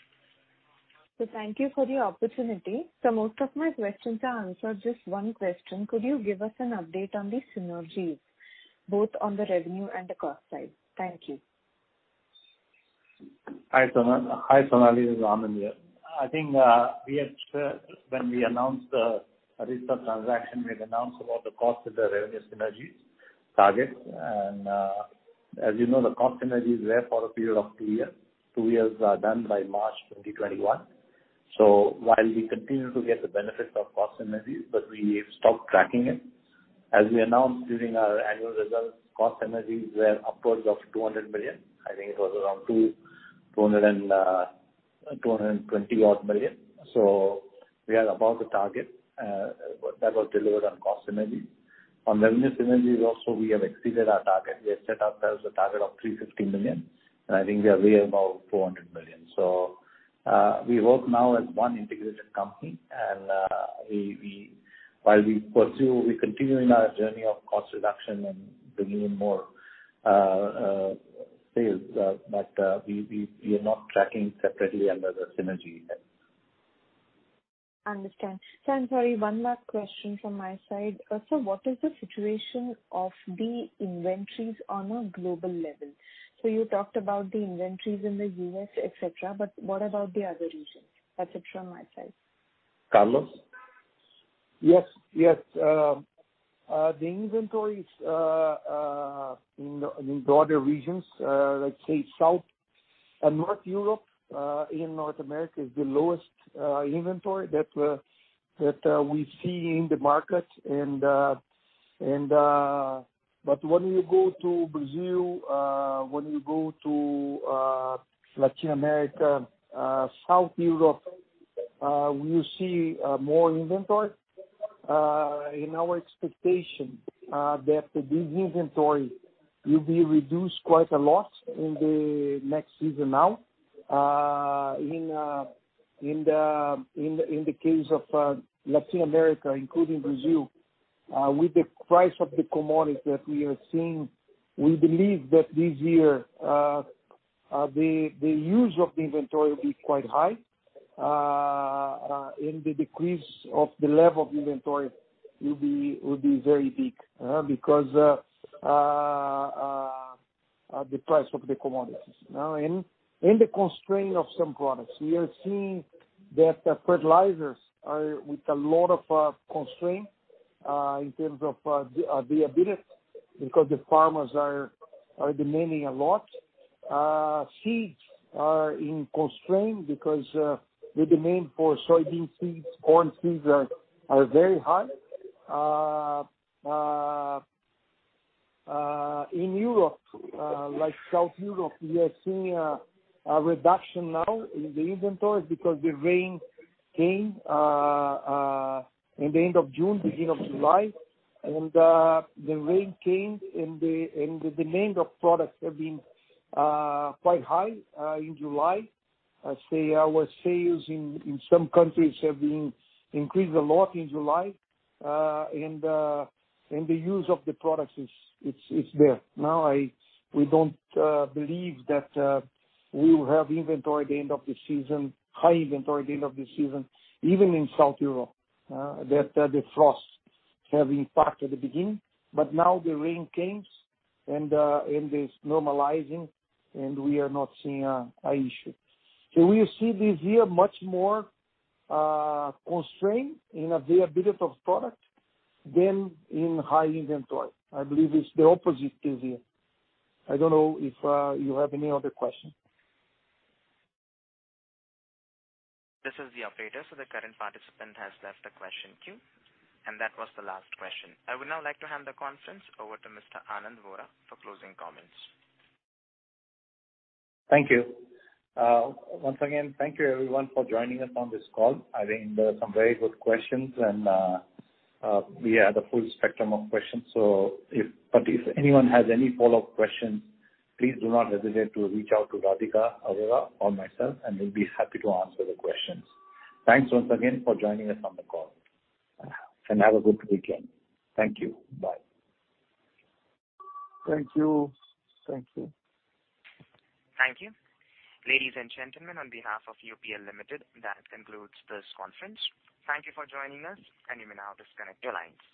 Thank you for the opportunity. Most of my questions are answered. Just one question. Could you give us an update on the synergies, both on the revenue and the cost side? Thank you. Hi, Sonali. This is Anand here. I think when we announced the Arysta transaction, we had announced about the cost of the revenue synergies target. As you know, the cost synergy is there for a period of two years. Two years are done by March 2021. While we continue to get the benefit of cost synergies, but we stopped tracking it. As we announced during our annual results, cost synergies were upwards of 200 million. I think it was around 220 odd million. We are above the target, that was delivered on cost synergy. On revenue synergies also, we have exceeded our target. We had set ourselves a target of 350 million, and I think we are way above 400 million. We work now as one integrated company and while we continue in our journey of cost reduction and bringing in more sales, but we are not tracking separately under the synergy lens. Understand. Sir, I'm sorry, one last question from my side. Sir, what is the situation of the inventories on a global level? You talked about the inventories in the U.S., et cetera, but what about the other regions? That's it from my side. Carlos? Yes. The inventories in broader regions, let's say South and North Europe, in North America is the lowest inventory that we see in the market. When you go to Brazil, when you go to Latin America, South Europe, we see more inventory. In our expectation that this inventory will be reduced quite a lot in the next season now. In the case of Latin America, including Brazil, with the price of the commodities that we are seeing, we believe that this year, the use of the inventory will be quite high, and the decrease of the level of inventory will be very big because of the price of the commodities. In the constraint of some products, we are seeing that fertilizers are with a lot of constraint in terms of availability, because the farmers are demanding a lot. Seeds are in constraint because the demand for soybean seeds, corn seeds are very high. In Europe, like South Europe, we are seeing a reduction now in the inventory because the rain came in the end of June, beginning of July. The rain came and the demand of products have been quite high in July. I say our sales in some countries have increased a lot in July, and the use of the products, it's there. We don't believe that we will have inventory at the end of the season, high inventory at the end of the season, even in South Europe. The frost have impact at the beginning, but now the rain comes and it is normalizing, and we are not seeing a issue. We see this year much more constraint in availability of product than in high inventory. I believe it's the opposite this year. I don't know if you have any other questions. This is the operator. The current participant has left a question queue, and that was the last question. I would now like to hand the conference over to Mr. Anand Vora for closing comments. Thank you. Once again, thank you everyone for joining us on this call. I think there are some very good questions, and we had a full spectrum of questions. If anyone has any follow-up questions, please do not hesitate to reach out to Radhika Arora or myself, and we'll be happy to answer the questions. Thanks once again for joining us on the call and have a good weekend. Thank you. Bye. Thank you. Thank you. Ladies and gentlemen, on behalf of UPL Limited, that concludes this conference. Thank you for joining us and you may now disconnect your lines.